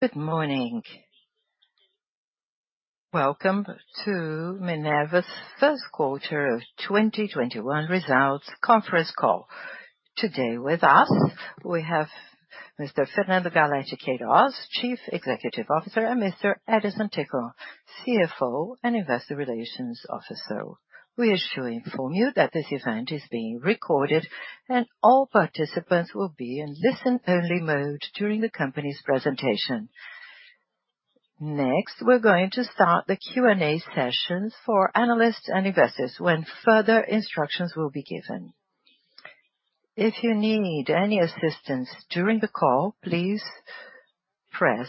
Good morning. Welcome to Minerva's first quarter of 2021 results conference call. Today with us, we have Mr. Fernando Galletti de Queiroz, Chief Executive Officer, and Mr. Edison Ticle, CFO and Investor Relations Officer. We wish to inform you that this event is being recorded, and all participants will be in listen-only mode during the company's presentation. Next, we're going to start the Q&A sessions for analysts and investors when further instructions will be given. If you need any assistance during the call, please press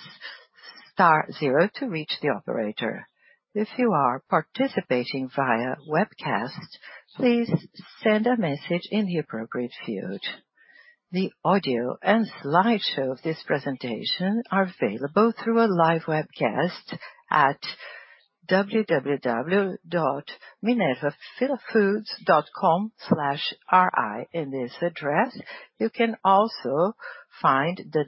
star zero to reach the operator. If you are participating via webcast, please send a message in the appropriate field. The audio and slideshow of this presentation are available through a live webcast at www.minervafoods.com/ri. In this address, you can also find the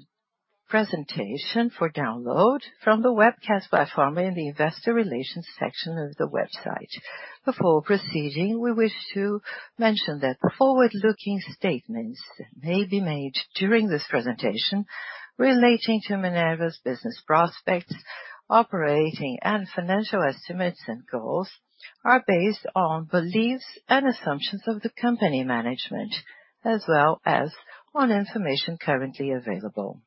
presentation for download from the webcast platform in the investor relations section of the website. Before proceeding, we wish to mention that forward-looking statements that may be made during this presentation relating to Minerva's business prospects, operating and financial estimates and goals are based on beliefs and assumptions of the company management, as well as on information currently available.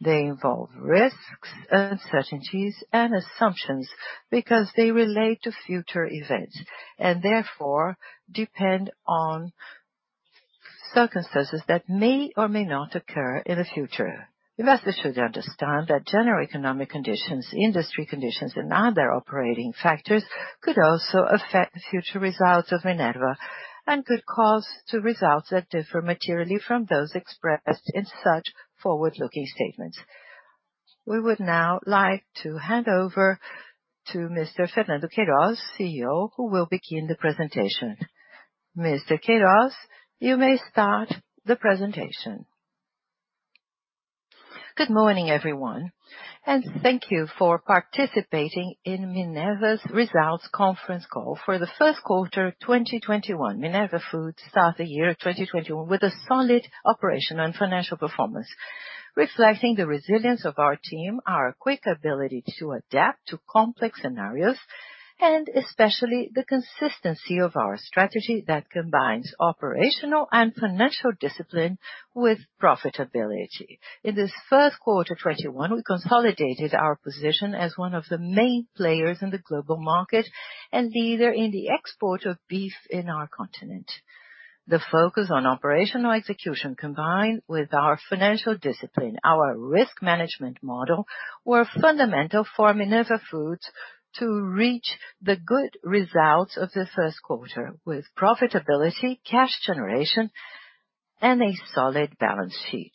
They involve risks, uncertainties, and assumptions because they relate to future events and therefore depend on circumstances that may or may not occur in the future. Investors should understand that general economic conditions, industry conditions, and other operating factors could also affect future results of Minerva and could cause to results that differ materially from those expressed in such forward-looking statements. We would now like to hand over to Mr. Fernando Queiroz, CEO, who will begin the presentation. Mr. Queiroz, you may start the presentation. Good morning, everyone, and thank you for participating in Minerva's results conference call for the first quarter of 2021. Minerva Foods starts the year 2021 with a solid operational and financial performance, reflecting the resilience of our team, our quick ability to adapt to complex scenarios, and especially the consistency of our strategy that combines operational and financial discipline with profitability. In this first quarter of 2021, we consolidated our position as one of the main players in the global market and leader in the export of beef in our continent. The focus on operational execution combined with our financial discipline, our risk management model, were fundamental for Minerva Foods to reach the good results of the first quarter with profitability, cash generation, and a solid balance sheet.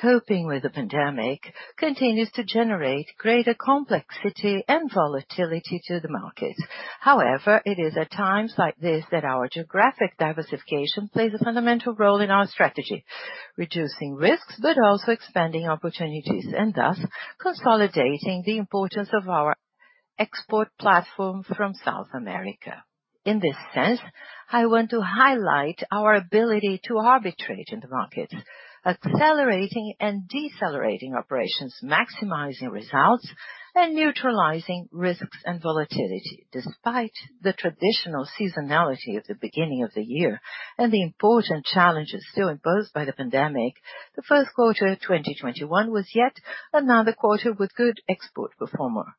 Coping with the pandemic continues to generate greater complexity and volatility to the market. It is at times like this that our geographic diversification plays a fundamental role in our strategy, reducing risks but also expanding opportunities, and thus consolidating the importance of our export platform from South America. In this sense, I want to highlight our ability to arbitrate in the market, accelerating and decelerating operations, maximizing results, and neutralizing risks and volatility. Despite the traditional seasonality at the beginning of the year and the important challenges still imposed by the pandemic, the first quarter of 2021 was yet another quarter with good export performance.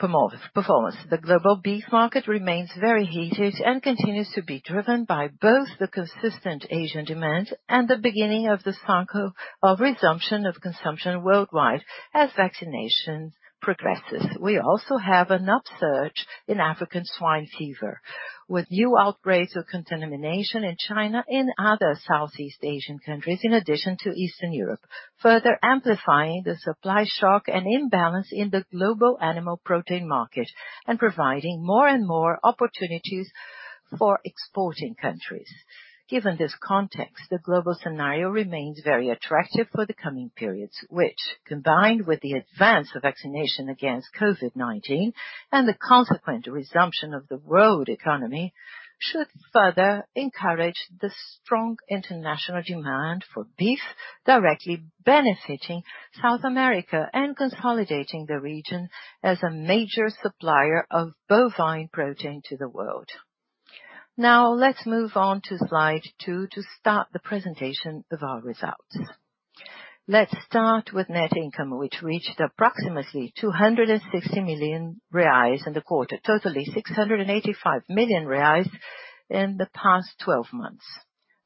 The global beef market remains very heated and continues to be driven by both the consistent Asian demand and the beginning of the cycle of resumption of consumption worldwide as vaccination progresses. We also have an upsurge in African swine fever with new outbreaks of contamination in China and other Southeast Asian countries in addition to Eastern Europe, further amplifying the supply shock and imbalance in the global animal protein market and providing more and more opportunities for exporting countries. Given this context, the global scenario remains very attractive for the coming periods, which combined with the advance of vaccination against COVID-19 and the consequent resumption of the world economy should further encourage the strong international demand for beef directly benefiting South America and consolidating the region as a major supplier of bovine protein to the world. Let's move on to slide two to start the presentation of our results. Let's start with net income, which reached approximately 260 million reais in the quarter, totaling 685 million reais in the past 12 months.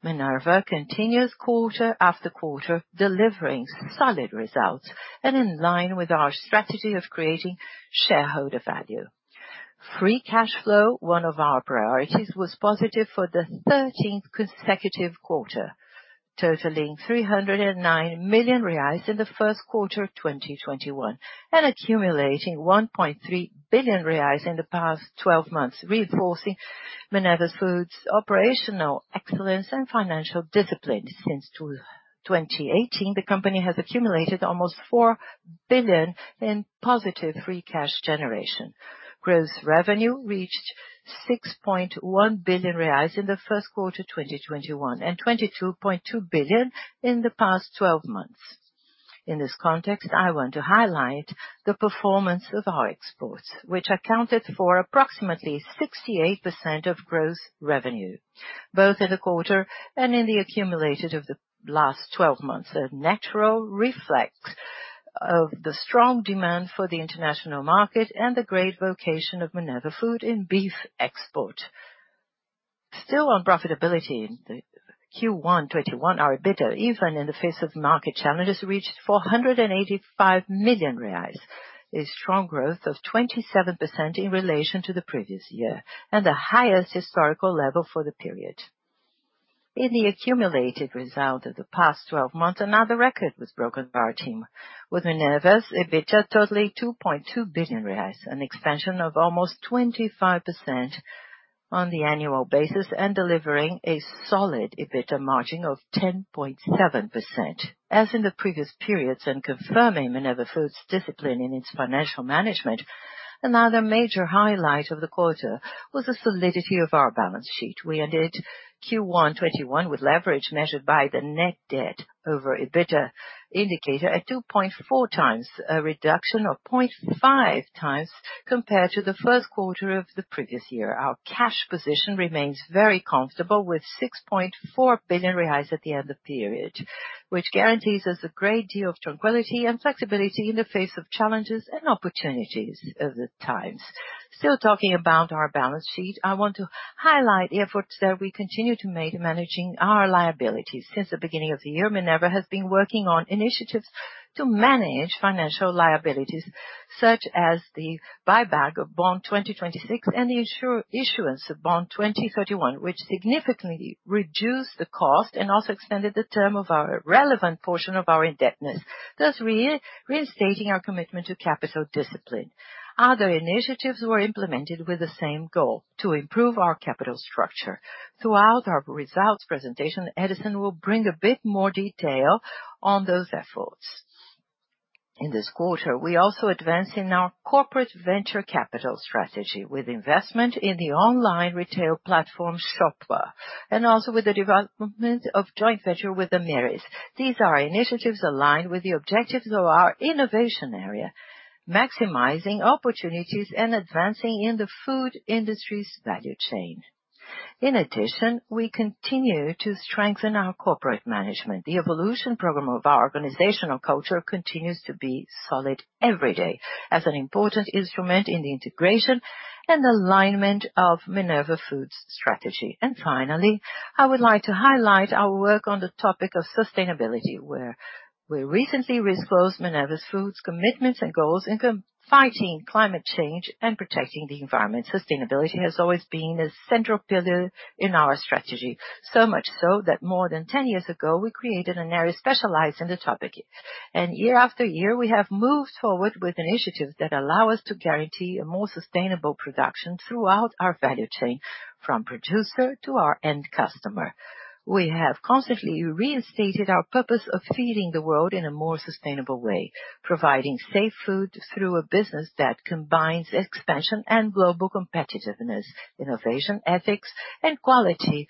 Minerva continues quarter after quarter delivering solid results and in line with our strategy of creating shareholder value. Free cash flow, one of our priorities, was positive for the 13th consecutive quarter, totaling 309 million reais in the first quarter of 2021 and accumulating 1.3 billion reais in the past 12 months, reinforcing Minerva Foods' operational excellence and financial discipline. Since 2018, the company has accumulated almost 4 billion in positive free cash generation. Gross revenue reached 6.1 billion reais in the first quarter 2021, and 22.2 billion in the past 12 months. In this context, I want to highlight the performance of our exports, which accounted for approximately 68% of gross revenue, both in the quarter and in the accumulated of the last 12 months. A natural reflex of the strong demand for the international market and the great vocation of Minerva Foods in beef export. Still on profitability, the Q1 2021 EBITDA, even in the face of market challenges, reached 485 million reais, a strong growth of 27% in relation to the previous year, and the highest historical level for the period. In the accumulated result of the past 12 months, another record was broken by our team with Minerva's EBITDA totaling 2.2 billion reais, an expansion of almost 25% on the annual basis and delivering a solid EBITDA margin of 10.7%. As in the previous periods and confirming Minerva Foods' discipline in its financial management, another major highlight of the quarter was the solidity of our balance sheet. We ended Q1 2021 with leverage measured by the net debt over EBITDA indicator at 2.4 times, a reduction of 0.5 times compared to the first quarter of the previous year. Our cash position remains very comfortable with 6.4 billion reais at the end of the period, which guarantees us a great deal of tranquility and flexibility in the face of challenges and opportunities of the times. Still talking about our balance sheet, I want to highlight the efforts that we continue to make in managing our liabilities. Since the beginning of the year, Minerva has been working on initiatives to manage financial liabilities such as the buyback of Bond 2026 and the issuance of Bond 2031, which significantly reduced the cost and also extended the term of our relevant portion of our indebtedness, thus reinstating our commitment to capital discipline. Other initiatives were implemented with the same goal, to improve our capital structure. Throughout our results presentation, Edison will bring a bit more detail on those efforts. In this quarter, we also advanced in our corporate venture capital strategy with investment in the online retail platform, Shopper, and also with the development of joint venture with the Amyris. These are initiatives aligned with the objectives of our innovation area, maximizing opportunities and advancing in the food industry's value chain. In addition, we continue to strengthen our corporate management. The evolution program of our organizational culture continues to be solid every day as an important instrument in the integration and alignment of Minerva Foods strategy. Finally, I would like to highlight our work on the topic of sustainability, where we recently disclosed Minerva Foods commitments and goals in fighting climate change and protecting the environment. Sustainability has always been a central pillar in our strategy. So much so that more than 10 years ago, we created an area specialized in the topic. Year after year, we have moved forward with initiatives that allow us to guarantee a more sustainable production throughout our value chain, from producer to our end customer. We have constantly reinstated our purpose of feeding the world in a more sustainable way, providing safe food through a business that combines expansion and global competitiveness, innovation ethics, and quality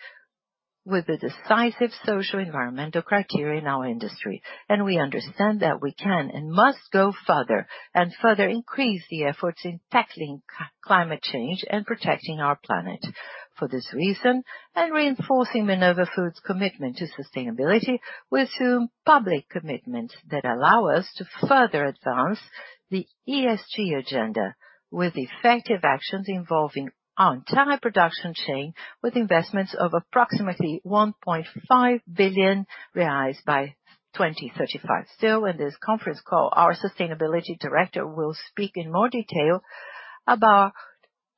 with the decisive social environmental criteria in our industry. We understand that we can and must go further and further increase the efforts in tackling climate change and protecting our planet. For this reason, reinforcing Minerva Foods' commitment to sustainability, we assume public commitments that allow us to further advance the ESG agenda with effective actions involving our entire production chain with investments of approximately 1.5 billion reais by 2035. Still in this conference call, our sustainability director will speak in more detail about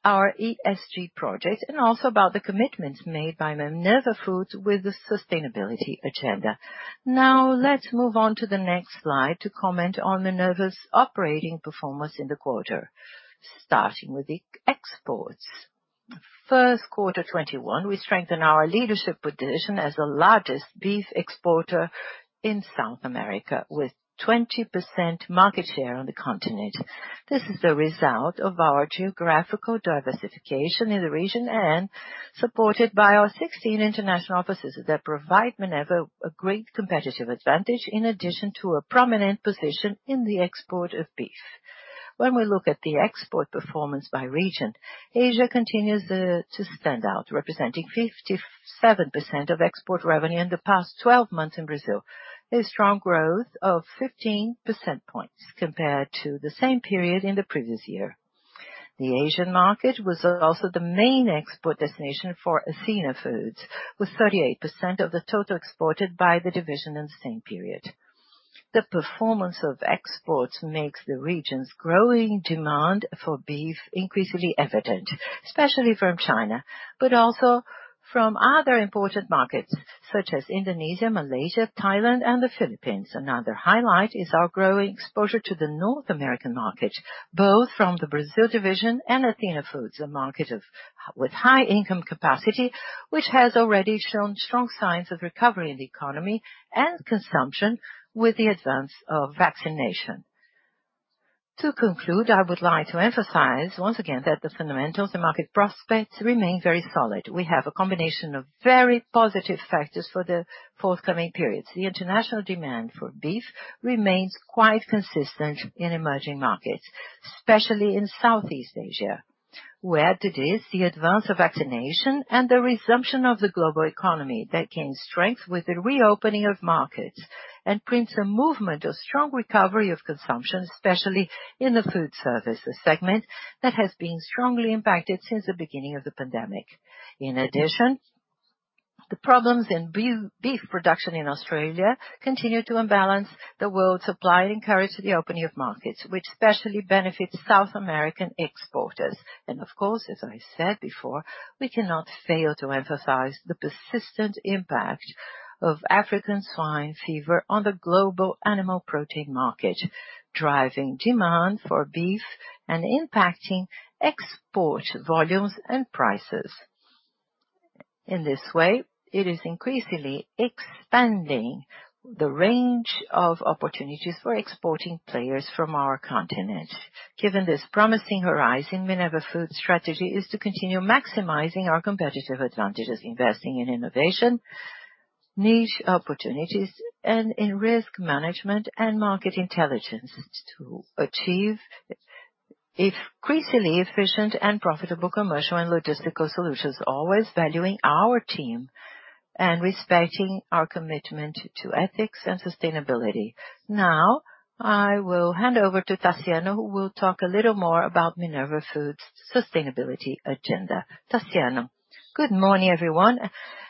our ESG project and also about the commitments made by Minerva Foods with the sustainability agenda. Let's move on to the next slide to comment on Minerva's operating performance in the quarter. Starting with the exports. first quarter 2021, we strengthen our leadership position as the largest beef exporter in South America with 20% market share on the continent. This is a result of our geographical diversification in the region and supported by our 16 international offices that provide Minerva a great competitive advantage in addition to a prominent position in the export of beef. When we look at the export performance by region, Asia continues to stand out, representing 57% of export revenue in the past 12 months in Brazil. A strong growth of 15 percentage points compared to the same period in the previous year. The Asian market was also the main export destination for Athena Foods, with 38% of the total exported by the division in the same period. The performance of exports makes the region's growing demand for beef increasingly evident, especially from China, but also from other important markets such as Indonesia, Malaysia, Thailand, and the Philippines. Another highlight is our growing exposure to the North American market, both from the Brazil division and Athena Foods. A market with high income capacity, which has already shown strong signs of recovery in the economy and consumption with the advance of vaccination. To conclude, I would like to emphasize once again that the fundamentals and market prospects remain very solid. We have a combination of very positive factors for the forthcoming periods. The international demand for beef remains quite consistent in emerging markets, especially in Southeast Asia, where today is the advance of vaccination and the resumption of the global economy that gains strength with the reopening of markets and prints a movement of strong recovery of consumption, especially in the food service segment that has been strongly impacted since the beginning of the pandemic. In addition, the problems in beef production in Australia continue to imbalance the world supply and encourage the opening of markets, which especially benefits South American exporters. Of course, as I said before, we cannot fail to emphasize the persistent impact of African swine fever on the global animal protein market, driving demand for beef and impacting export volumes and prices. In this way, it is increasingly expanding the range of opportunities for exporting players from our continent. Given this promising horizon, Minerva Foods' strategy is to continue maximizing our competitive advantages, investing in innovation, niche opportunities, and in risk management and market intelligence to achieve increasingly efficient and profitable commercial and logistical solutions, always valuing our team and respecting our commitment to ethics and sustainability. I will hand over to Taciano, who will talk a little more about Minerva Foods' sustainability agenda. Taciano. Good morning, everyone,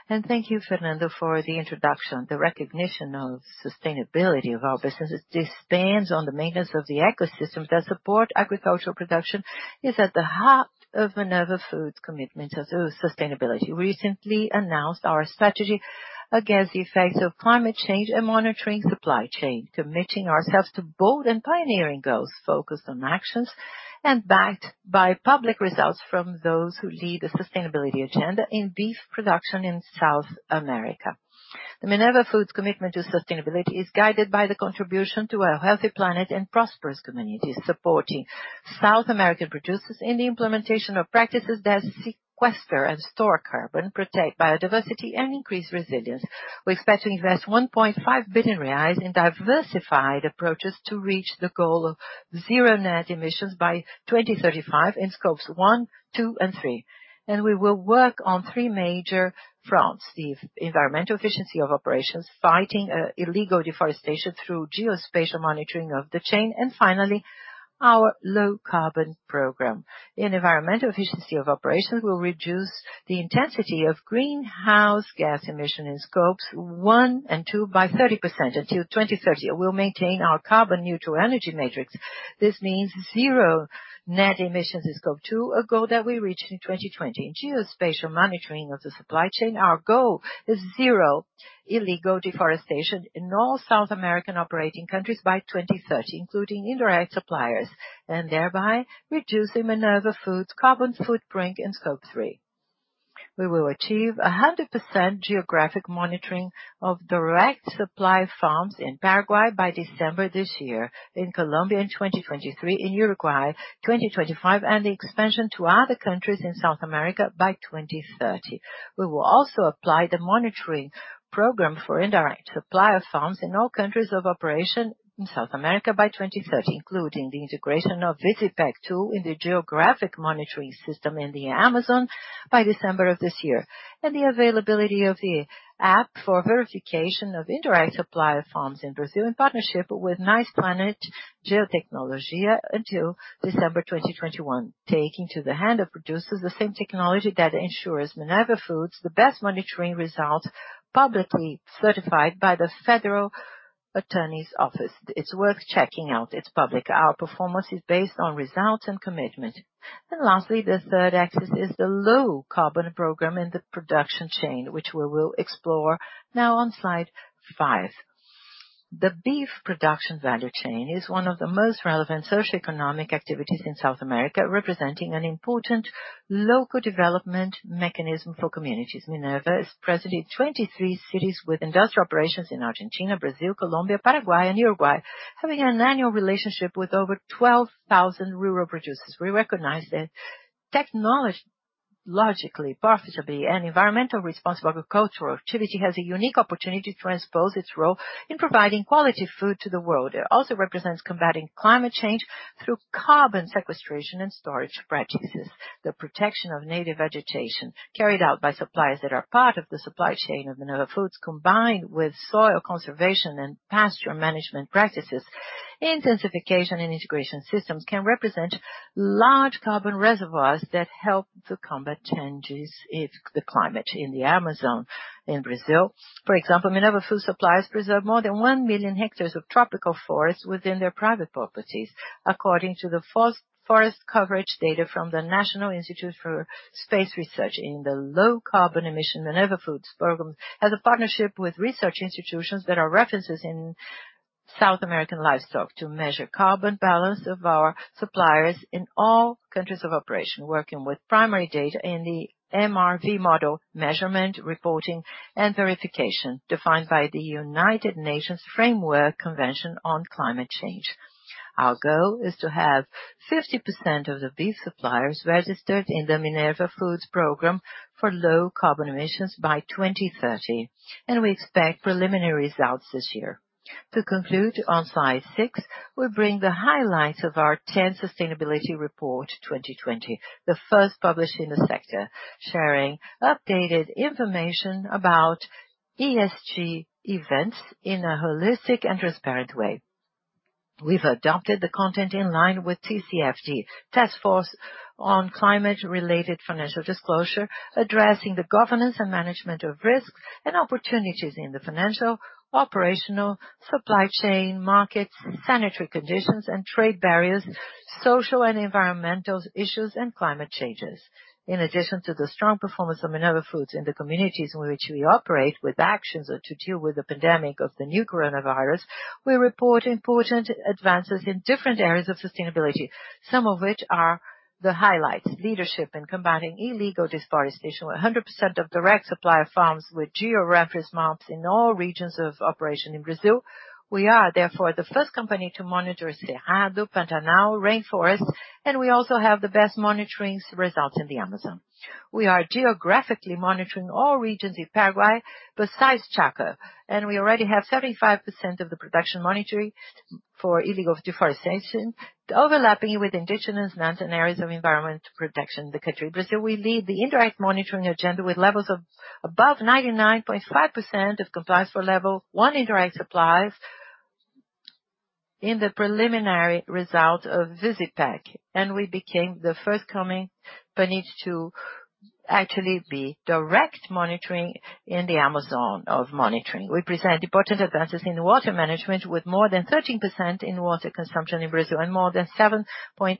thank you, Fernando, for the introduction. The recognition of sustainability of our business depends on the maintenance of the ecosystems that support agricultural production is at the heart of Minerva Foods' commitment to sustainability. We recently announced our strategy against the effects of climate change and monitoring supply chain, committing ourselves to bold and pioneering goals, focused on actions and backed by public results from those who lead the sustainability agenda in beef production in South America. The Minerva Foods commitment to sustainability is guided by the contribution to a healthy planet and prosperous communities, supporting South American producers in the implementation of practices that sequester and store carbon, protect biodiversity, and increase resilience. We expect to invest 1.5 billion reais in diversified approaches to reach the goal of zero net emissions by 2035 in Scope 1, Scope 2, and Scope 3. We will work on three major fronts, the environmental efficiency of operations, fighting illegal deforestation through geospatial monitoring of the chain, and finally, our low carbon program. In environmental efficiency of operations, we'll reduce the intensity of greenhouse gas emission in Scope 1 and Scope 2 by 30% until 2030. We'll maintain our carbon-neutral energy matrix. This means zero net emissions in Scope 2, a goal that we reached in 2020. In geospatial monitoring of the supply chain, our goal is zero illegal deforestation in all South American operating countries by 2030, including indirect suppliers, and thereby reducing Minerva Foods' carbon footprint in Scope 3. We will achieve 100% geographic monitoring of direct supply farms in Paraguay by December this year, in Colombia in 2023, in Uruguay 2025, and the expansion to other countries in South America by 2030. We will also apply the monitoring program for indirect supply of farms in all countries of operation in South America by 2030, including the integration of Visipec in the geographic monitoring system in the Amazon by December of this year. The availability of the app for verification of indirect supply of farms in Brazil in partnership with Niceplanet Geotecnologia until December 2021. Taking to the hand of producers the same technology that ensures Minerva Foods the best monitoring result, publicly certified by the Federal Public Prosecutor's Office. It's worth checking out. It's public. Our performance is based on results and commitment. Lastly, the third axis is the low carbon program in the production chain, which we will explore now on slide five. The beef production value chain is one of the most relevant socioeconomic activities in South America, representing an important local development mechanism for communities. Minerva is present in 23 cities with industrial operations in Argentina, Brazil, Colombia, Paraguay, and Uruguay, having an annual relationship with over 12,000 rural producers. We recognize that technologically, profitably, and environmentally responsible agricultural activity has a unique opportunity to transpose its role in providing quality food to the world. It also represents combating climate change through carbon sequestration and storage practices. The protection of native vegetation carried out by suppliers that are part of the supply chain of Minerva Foods, combined with soil conservation and pasture management practices, intensification and integration systems can represent large carbon reservoirs that help to combat changes in the climate in the Amazon in Brazil. For example, Minerva Foods suppliers preserve more than 1 million hectares of tropical forest within their private properties, according to the forest coverage data from the National Institute for Space Research. In the low carbon emission, Minerva Foods programs has a partnership with research institutions that are references in South American livestock to measure carbon balance of our suppliers in all countries of operation, working with primary data in the MRV model: measurement, reporting and verification, defined by the United Nations Framework Convention on Climate Change. Our goal is to have 50% of the beef suppliers registered in the Minerva Foods program for low carbon emissions by 2030, and we expect preliminary results this year. To conclude, on slide six, we bring the highlights of our 10th Sustainability Report 2020, the first published in the sector, sharing updated information about ESG events in a holistic and transparent way. We've adopted the content in line with TCFD, Task Force on Climate-related Financial Disclosures, addressing the governance and management of risks and opportunities in the financial, operational, supply chain, markets, sanitary conditions and trade barriers, social and environmental issues and climate changes. In addition to the strong performance of Minerva Foods in the communities in which we operate with actions to deal with the pandemic of the new coronavirus, we report important advances in different areas of sustainability, some of which are the highlights. Leadership in combating illegal deforestation. 100% of direct supplier farms with geo-referenced maps in all regions of operation in Brazil. We are therefore the first company to monitor Cerrado Pantanal rainforests. We also have the best monitoring results in the Amazon. We are geographically monitoring all regions in Paraguay besides Chaco. We already have 75% of the production monitoring for illegal deforestation, overlapping with indigenous lands and areas of environment protection in the country. Brazil will lead the indirect monitoring agenda with levels of above 99.5% of compliance for level 1 indirect suppliers in the preliminary result of Visipec. We became the first company to actually be direct monitoring in the Amazon of monitoring. We present important advances in water management with more than 13% in water consumption in Brazil and more than 7.5%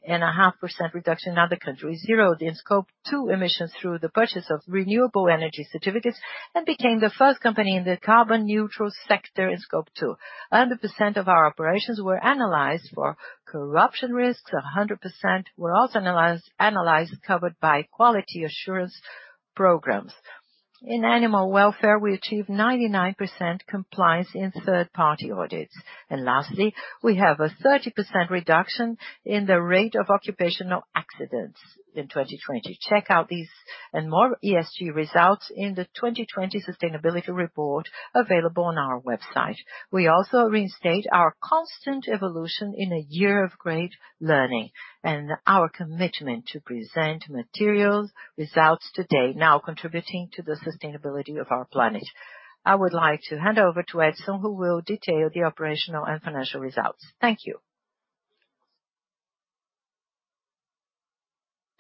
reduction in other countries. Zeroed in Scope 2 emissions through the purchase of renewable energy certificates and became the first company in the carbon neutral sector in Scope 2. 100% of our operations were analyzed for corruption risks. 100% were also analyzed covered by quality assurance programs. In animal welfare, we achieved 99% compliance in third-party audits. Lastly, we have a 30% reduction in the rate of occupational accidents in 2020. Check out these and more ESG results in the 2020 sustainability report available on our website. We also reinstate our constant evolution in a year of great learning and our commitment to present materials results today, now contributing to the sustainability of our planet. I would like to hand over to Edison Ticle, who will detail the operational and financial results. Thank you.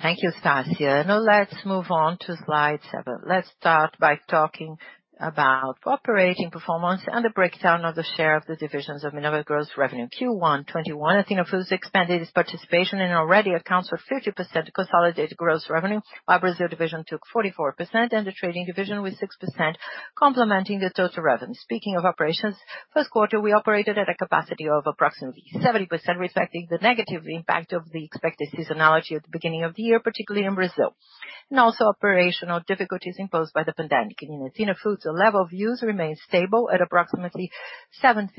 Thank you, Taciano Hotz. Let's move on to slide seven. Let's start by talking about operating performance and the breakdown of the share of the divisions of Minerva gross revenue. Q1 2021, Athena Foods expanded its participation and already accounts for 50% consolidated gross revenue, while Brazil division took 44%, and the trading division with 6%, complementing the total revenue. Speaking of operations, first quarter, we operated at a capacity of approximately 70%, reflecting the negative impact of the expected seasonality at the beginning of the year, particularly in Brazil, and also operational difficulties imposed by the pandemic. In Athena Foods, the level of use remains stable at approximately 73%.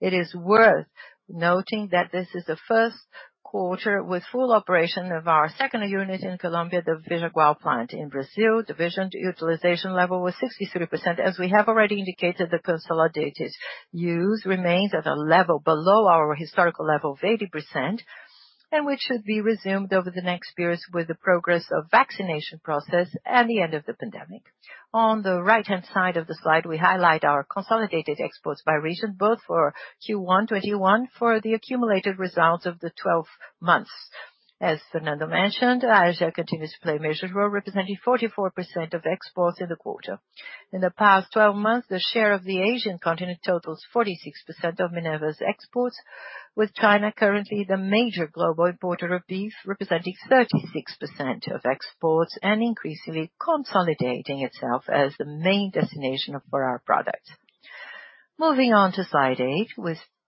It is worth noting that this is the first quarter with full operation of our second unit in Colombia, the Vijagual plant. In Brazil, division utilization level was 63%. As we have already indicated, the consolidated use remains at a level below our historical level of 80%, and which should be resumed over the next years with the progress of vaccination process and the end of the pandemic. On the right-hand side of the slide, we highlight our consolidated exports by region, both for Q1 2021 for the accumulated results of the 12 months. As Fernando mentioned, Asia continues to play a major role, representing 44% of exports in the quarter. In the past 12 months, the share of the Asian continent totals 46% of Minerva's exports, with China currently the major global importer of beef, representing 36% of exports and increasingly consolidating itself as the main destination for our product. Moving on to slide eight,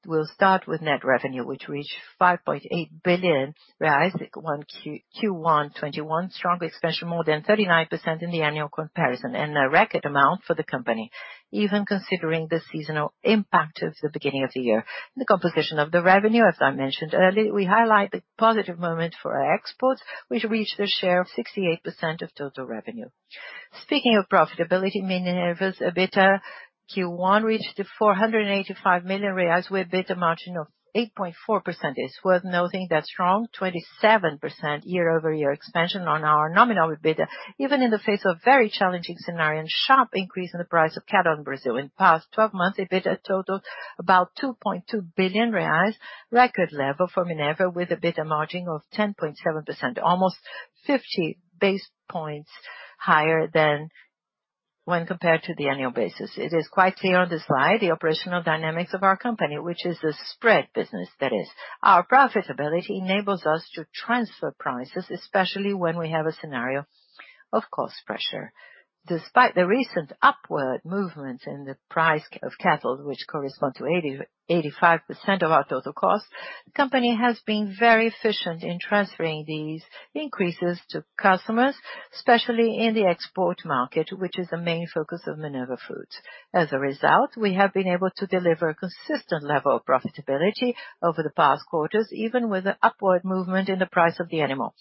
we'll start with net revenue, which reached 5.8 billion reais in Q1 2021. Strong expansion, more than 39% in the annual comparison and a record amount for the company, even considering the seasonal impact of the beginning of the year. The composition of the revenue, as I mentioned earlier, we highlight the positive moment for our exports, which reached a share of 68% of total revenue. Speaking of profitability, Minerva's EBITDA Q1 reached 485 million reais with EBITDA margin of 8.4%. It's worth noting that strong 27% year-over-year expansion on our nominal EBITDA, even in the face of very challenging scenario and sharp increase in the price of cattle in Brazil. In past 12 months, EBITDA totaled about 2.2 billion reais, record level for Minerva with EBITDA margin of 10.7%, almost 50 basis points higher than when compared to the annual basis. It is quite clear on the slide the operational dynamics of our company, which is a spread business. That is, our profitability enables us to transfer prices, especially when we have a scenario of cost pressure. Despite the recent upward movement in the price of cattle, which corresponds to 85% of our total cost, the company has been very efficient in transferring these increases to customers, especially in the export market, which is the main focus of Minerva Foods. As a result, we have been able to deliver a consistent level of profitability over the past quarters, even with the upward movement in the price of the animals.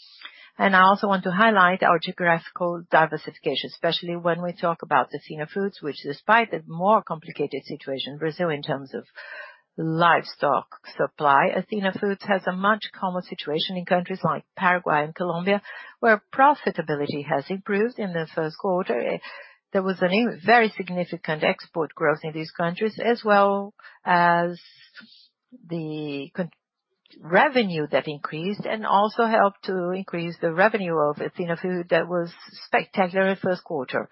I also want to highlight our geographical diversification, especially when we talk about Athena Foods, which despite the more complicated situation in Brazil in terms of livestock supply, Athena Foods has a much calmer situation in countries like Paraguay and Colombia, where profitability has improved in the first quarter. There was a very significant export growth in these countries, as well as the revenue that increased and also helped to increase the revenue of Athena Foods. That was spectacular first quarter.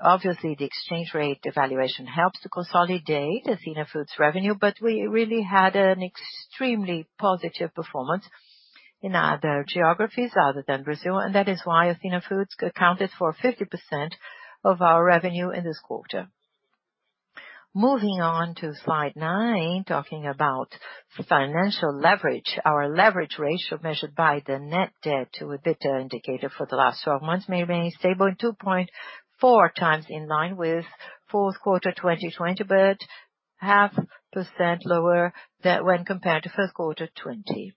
Obviously, the exchange rate devaluation helps to consolidate Athena Foods' revenue, but we really had an extremely positive performance in other geographies other than Brazil, and that is why Athena Foods accounted for 50% of our revenue in this quarter. Moving on to slide nine, talking about financial leverage. Our leverage ratio measured by the net debt to EBITDA indicator for the last 12 months remained stable at 2.4 times in line with fourth quarter 2020, but 0.5% lower than when compared to first quarter 2020.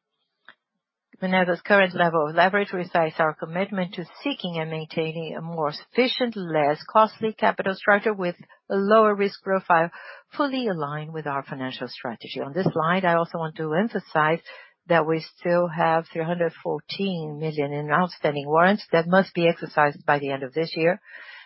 Minerva's current level of leverage reinforces our commitment to seeking and maintaining a more sufficient, less costly capital structure with a lower risk profile fully aligned with our financial strategy. On this slide, I also want to emphasize that we still have 314 million in outstanding warrants that must be exercised by the end of this year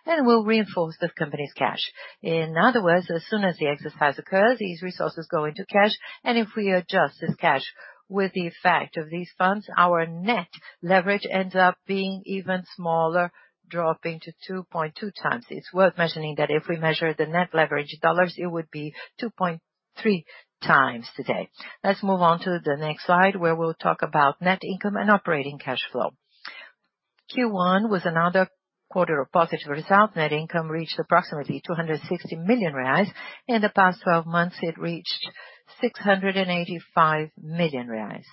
and will reinforce the company's cash. In other words, as soon as the exercise occurs, these resources go into cash. If we adjust this cash with the effect of these funds, our net leverage ends up being even smaller, dropping to 2.2 times. It is worth mentioning that if we measure the net leverage dollars, it would be 2.3 times today. Let's move on to the next slide where we will talk about net income and operating cash flow. Q1 was another quarter of positive result. Net income reached approximately 260 million reais. In the past 12 months, it reached 685 million reais.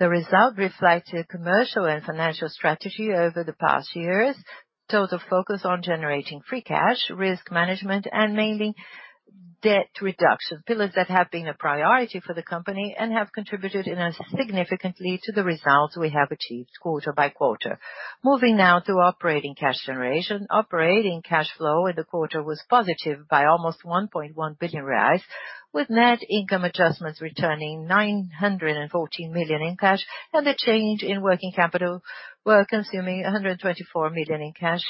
The result reflected commercial and financial strategy over the past years. Total focus on generating free cash, risk management, and mainly debt reduction. Pillars that have been a priority for the company and have contributed in a significantly to the results we have achieved quarter by quarter. Moving now to operating cash generation. Operating cash flow in the quarter was positive by almost 1.1 billion reais, with net income adjustments returning 314 million in cash and a change in working capital were consuming 124 million in cash,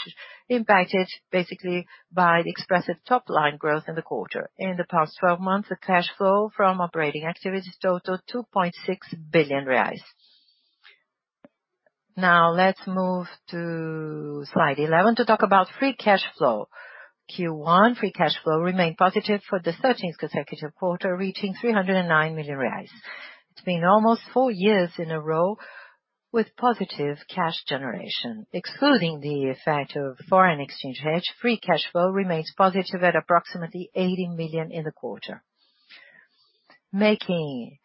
impacted basically by the expressive top-line growth in the quarter. In the past 12 months, the cash flow from operating activities totaled 2.6 billion reais. Let's move to slide 11 to talk about free cash flow. Q1 free cash flow remained positive for the 13th consecutive quarter, reaching 309 million reais. It's been almost four years in a row with positive cash generation. Excluding the effect of foreign exchange hedge, free cash flow remains positive at approximately 80 million in the quarter. Making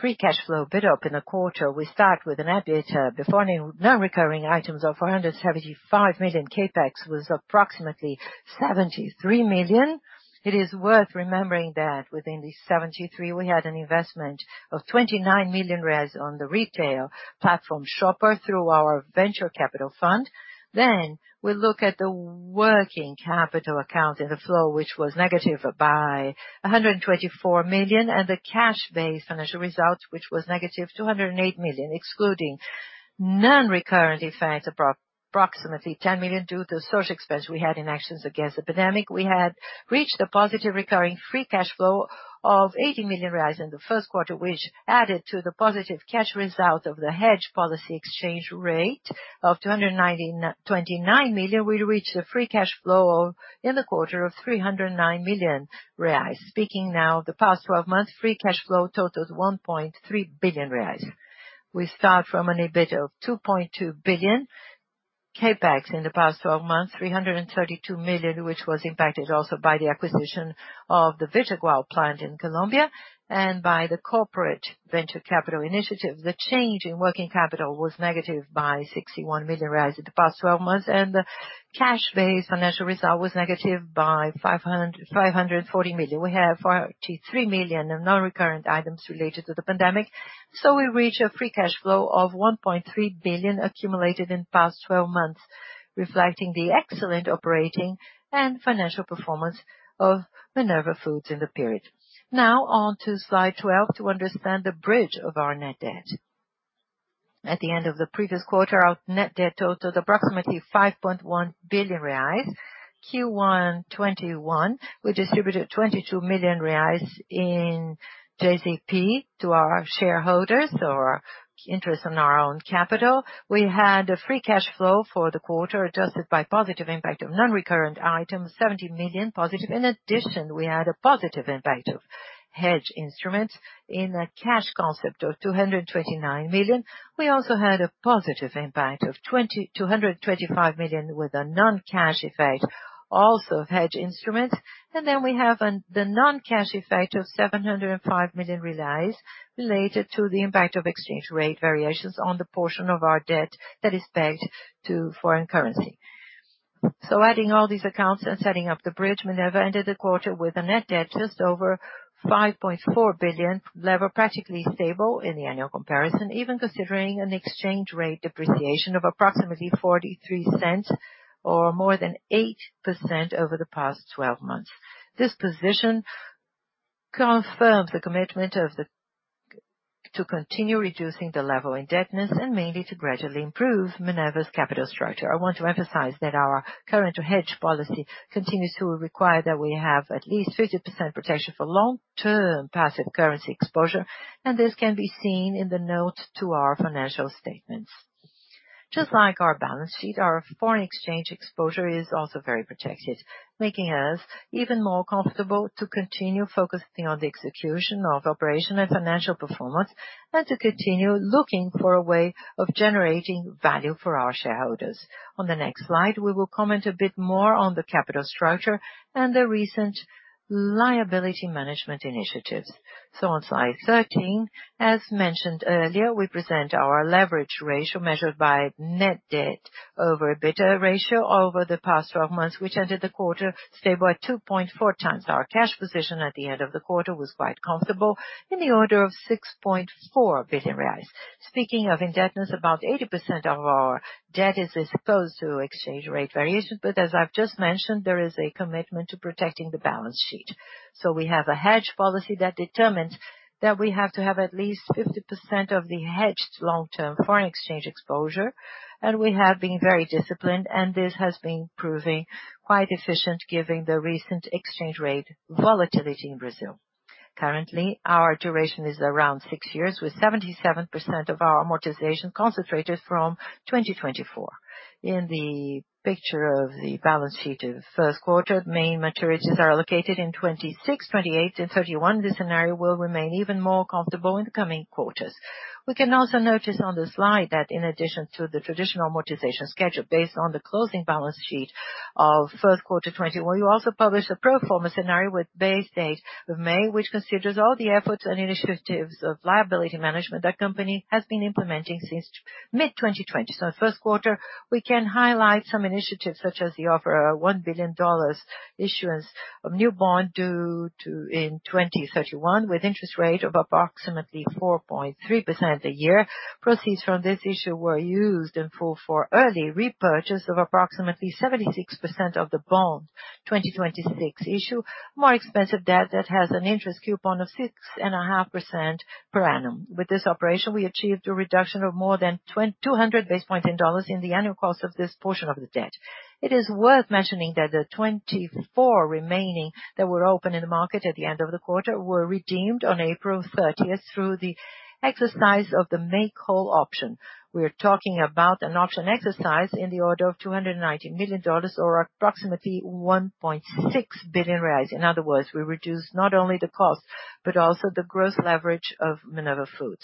free cash flow build up in the quarter, we start with an EBITDA before any non-recurring items of 475 million. CapEx was approximately 73 million. It is worth remembering that within the 73, we had an investment of 29 million on the retail platform Shopper through our venture capital fund. We look at the working capital account in the flow, which was negative by 124 million, and the cash-based financial results, which was negative 208 million, excluding non-recurring effects, approximately 10 million due to such expense we had in actions against the pandemic. We had reached a positive recurring free cash flow of 80 million reais in the first quarter, which added to the positive cash result of the hedge policy exchange rate of 229 million. We reached a free cash flow in the quarter of 309 million reais. Speaking now the past 12 months, free cash flow totals 1.3 billion reais. We start from an EBITDA of 2.2 billion. CapEx in the past 12 months, 332 million, which was impacted also by the acquisition of the Vijagual plant in Colombia and by the corporate venture capital initiative. The change in working capital was negative by 61 million reais in the past 12 months, and the cash-based financial result was negative by 540 million. We have 43 million in non-recurrent items related to the pandemic. We reach a free cash flow of 1.3 billion accumulated in past 12 months, reflecting the excellent operating and financial performance of Minerva Foods in the period. Now on to slide 12 to understand the bridge of our net debt. At the end of the previous quarter, our net debt totaled approximately 5.1 billion reais. Q1 2021, we distributed 22 million reais in JCP to our shareholders or interest on our own capital. We had a free cash flow for the quarter, adjusted by positive impact of non-recurrent items, 70 million positive. In addition, we had a positive impact of hedge instruments in a cash concept of 229 million. We also had a positive impact of 225 million with a non-cash effect, also hedge instrument. Then we have the non-cash effect of 705 million related to the impact of exchange rate variations on the portion of our debt that is pegged to foreign currency. Adding all these accounts and setting up the bridge, Minerva ended the quarter with a net debt just over 5.4 billion, lever practically stable in the annual comparison, even considering an exchange rate depreciation of approximately 0.43 or more than 8% over the past 12 months. This position confirms the commitment to continue reducing the level indebtedness, and mainly to gradually improve Minerva's capital structure. I want to emphasize that our current hedge policy continues to require that we have at least 50% protection for long-term passive currency exposure, and this can be seen in the note to our financial statements. Just like our balance sheet, our foreign exchange exposure is also very protected, making us even more comfortable to continue focusing on the execution of operation and financial performance, and to continue looking for a way of generating value for our shareholders. On the next slide, we will comment a bit more on the capital structure and the recent liability management initiatives. On slide 13, as mentioned earlier, we present our leverage ratio measured by net debt over EBITDA ratio over the past 12 months, which ended the quarter stable at 2.4 times. Our cash position at the end of the quarter was quite comfortable in the order of 6.4 billion reais. Speaking of indebtedness, about 80% of our debt is exposed to exchange rate variations. As I've just mentioned, there is a commitment to protecting the balance sheet. We have a hedge policy that determines that we have to have at least 50% of the hedged long-term foreign exchange exposure. We have been very disciplined, and this has been proving quite efficient given the recent exchange rate volatility in Brazil. Currently, our duration is around 6 years, with 77% of our amortization concentrated from 2024. In the picture of the balance sheet of first quarter, the main maturities are allocated in 2026, 2028, and 2031. This scenario will remain even more comfortable in the coming quarters. We can also notice on the slide that in addition to the traditional amortization schedule based on the closing balance sheet of first quarter 2021, we also published a pro forma scenario with base date of May, which considers all the efforts and initiatives of liability management that company has been implementing since mid-2020. The first quarter, we can highlight some initiatives such as the offer of $1 billion issuance of new Bond 2031 with interest rate of approximately 4.3% a year. Proceeds from this issue were used in full for early repurchase of approximately 76% of the Bond 2026 issue, more expensive debt that has an interest coupon of 6.5% per annum. With this operation, we achieved a reduction of more than 200 basis points in dollars in the annual cost of this portion of the debt. It is worth mentioning that the 24 remaining that were open in the market at the end of the quarter were redeemed on April 30th through the exercise of the make-whole option. We are talking about an option exercise in the order of $290 million, or approximately 1.6 billion reais. In other words, we reduced not only the cost, but also the gross leverage of Minerva Foods.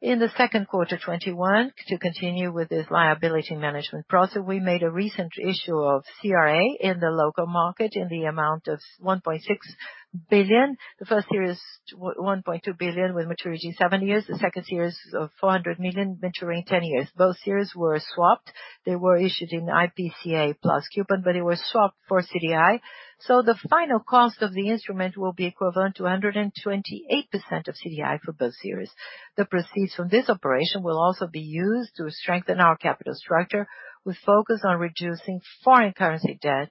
In the second quarter 2021, to continue with this liability management process, we made a recent issue of CRA in the local market in the amount of 1.6 billion. The first series is 1.2 billion with maturity seven years. The second series of 400 million maturing 10 years. Both series were swapped. They were issued in IPCA plus coupon. It was swapped for CDI. The final cost of the instrument will be equivalent to 128% of CDI for both series. The proceeds from this operation will also be used to strengthen our capital structure. We focus on reducing foreign currency debt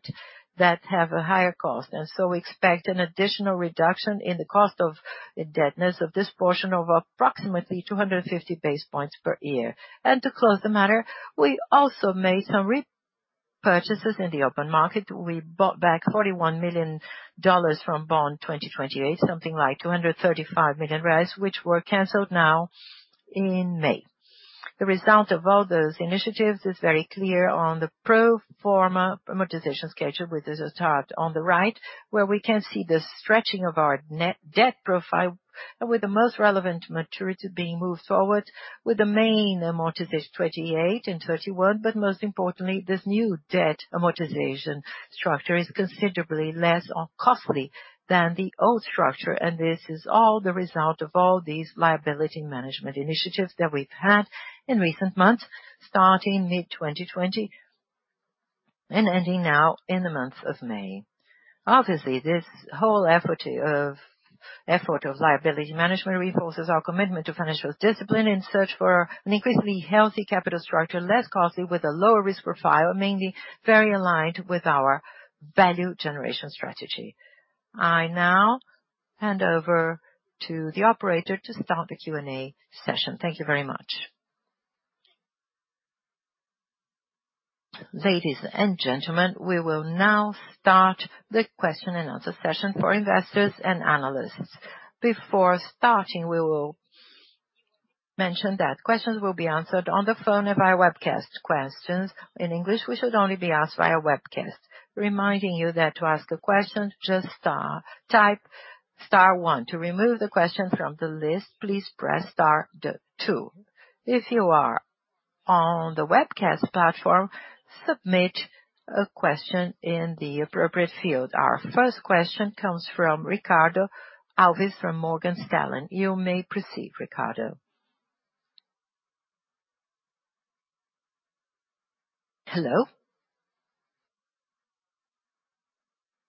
that have a higher cost. We expect an additional reduction in the cost of debt of this portion of approximately 250 basis points per year. To close the matter, we also made some repurchases in the open market. We bought back $41 million from Bond 2028, something like 235 million, which were canceled now in May. The result of all those initiatives is very clear on the pro forma amortization schedule, which is tabbed on the right, where we can see the stretching of our net debt profile with the most relevant maturity being moved forward with the main amortization 2028 and 2031. Most importantly, this new debt amortization structure is considerably less costly than the old structure, and this is all the result of all these liability management initiatives that we've had in recent months, starting mid-2020 and ending now in the month of May. Obviously, this whole effort of liability management reinforces our commitment to financial discipline in search for an increasingly healthy capital structure, less costly with a lower risk profile, and mainly very aligned with our value generation strategy. I now hand over to the operator to start the Q&A session. Thank you very much. Ladies and gentlemen, we will now start the question and answer session for investors and analysts. Before starting, we will mention that questions will be answered on the phone and via webcast questions. In English, we should only be asked via webcast. Our first question comes from Ricardo Alves from Morgan Stanley. You may proceed, Ricardo. Hello.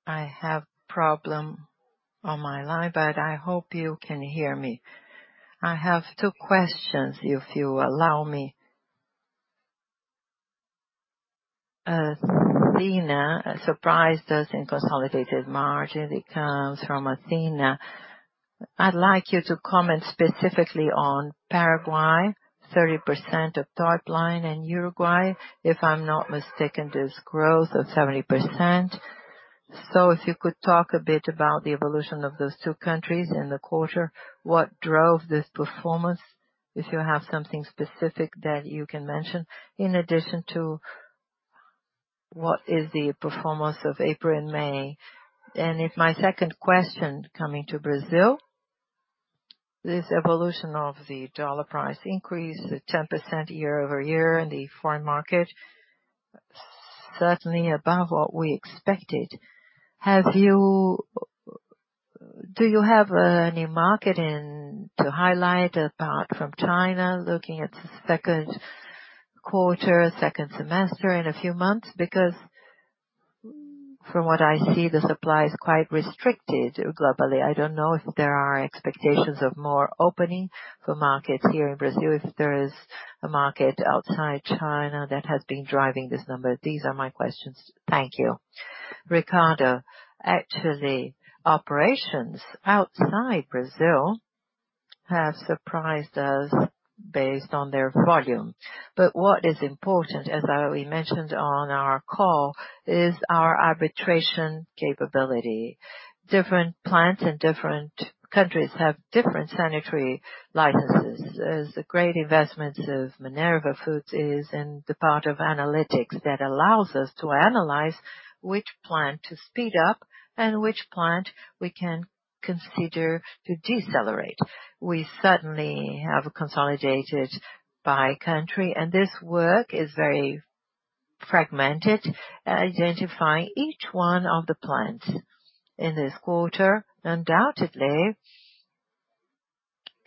I have problem on my line, but I hope you can hear me. I have two questions, if you allow me. Athena surprised us in consolidated margin. It comes from Athena. I'd like you to comment specifically on Paraguay, 30% of top line in Uruguay, if I'm not mistaken, this growth of 70%. If you could talk a bit about the evolution of those two countries in the quarter, what drove this performance, if you have something specific that you can mention, in addition to what is the performance of April and May. If my second question coming to Brazil, this evolution of the dollar price increase, the 10% year-over-year in the foreign market, certainly above what we expected. Do you have a new market to highlight apart from China, looking at second quarter, second semester in a few months? From what I see, the supply is quite restricted globally. I don't know if there are expectations of more opening for markets here in Brazil, if there is a market outside China that has been driving this number. These are my questions. Thank you. Ricardo. Actually, operations outside Brazil have surprised us based on their volume. What is important, as we mentioned on our call, is our arbitration capability. Different plants in different countries have different sanitary licenses. As the great investments of Minerva Foods is in the part of analytics that allows us to analyze which plant to speed up and which plant we can consider to decelerate. We certainly have consolidated by country, and this work is very fragmented at identifying each one of the plants. In this quarter, undoubtedly,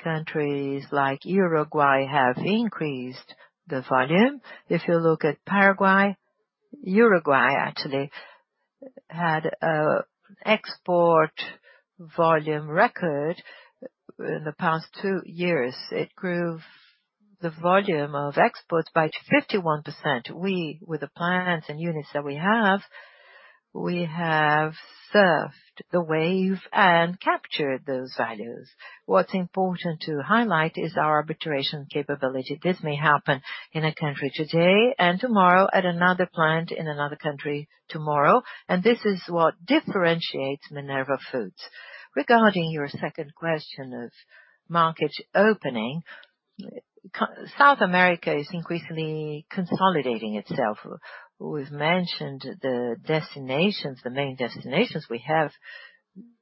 countries like Uruguay have increased the volume. If you look at Paraguay, Uruguay actually had an export volume record in the past two years. It grew the volume of exports by 51%. We, with the plants and units that we have, we have surfed the wave and captured those values. What's important to highlight is our arbitration capability. This may happen in a country today and tomorrow at another plant in another country tomorrow, and this is what differentiates Minerva Foods. Regarding your second question of market opening, South America is increasingly consolidating itself. We've mentioned the destinations, the main destinations we have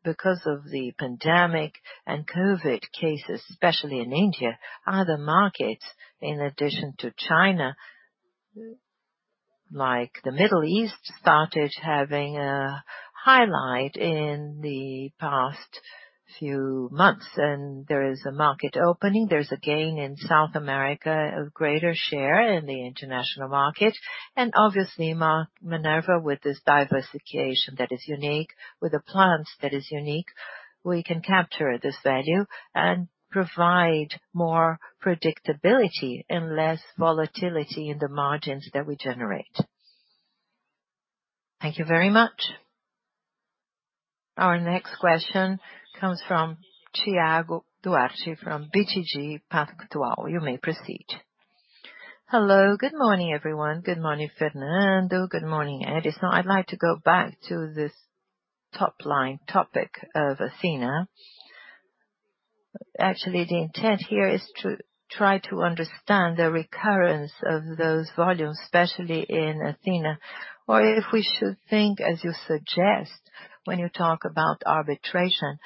because of the pandemic and COVID cases, especially in India. Other markets, in addition to China, like the Middle East, started having a highlight in the past few months. There is a market opening. There's a gain in South America, a greater share in the international market. Obviously, Minerva, with this diversification that is unique, with the plants that is unique, we can capture this value and provide more predictability and less volatility in the margins that we generate. Thank you very much. Our next question comes from Thiago Duarte from BTG Pactual. You may proceed. Hello. Good morning, everyone. Good morning, Fernando. Good morning, Edison. I'd like to go back to this top line topic of Athena. Actually, the intent here is to try to understand the recurrence of those volumes, especially in Athena. If we should think as you suggest when you talk about arbitration,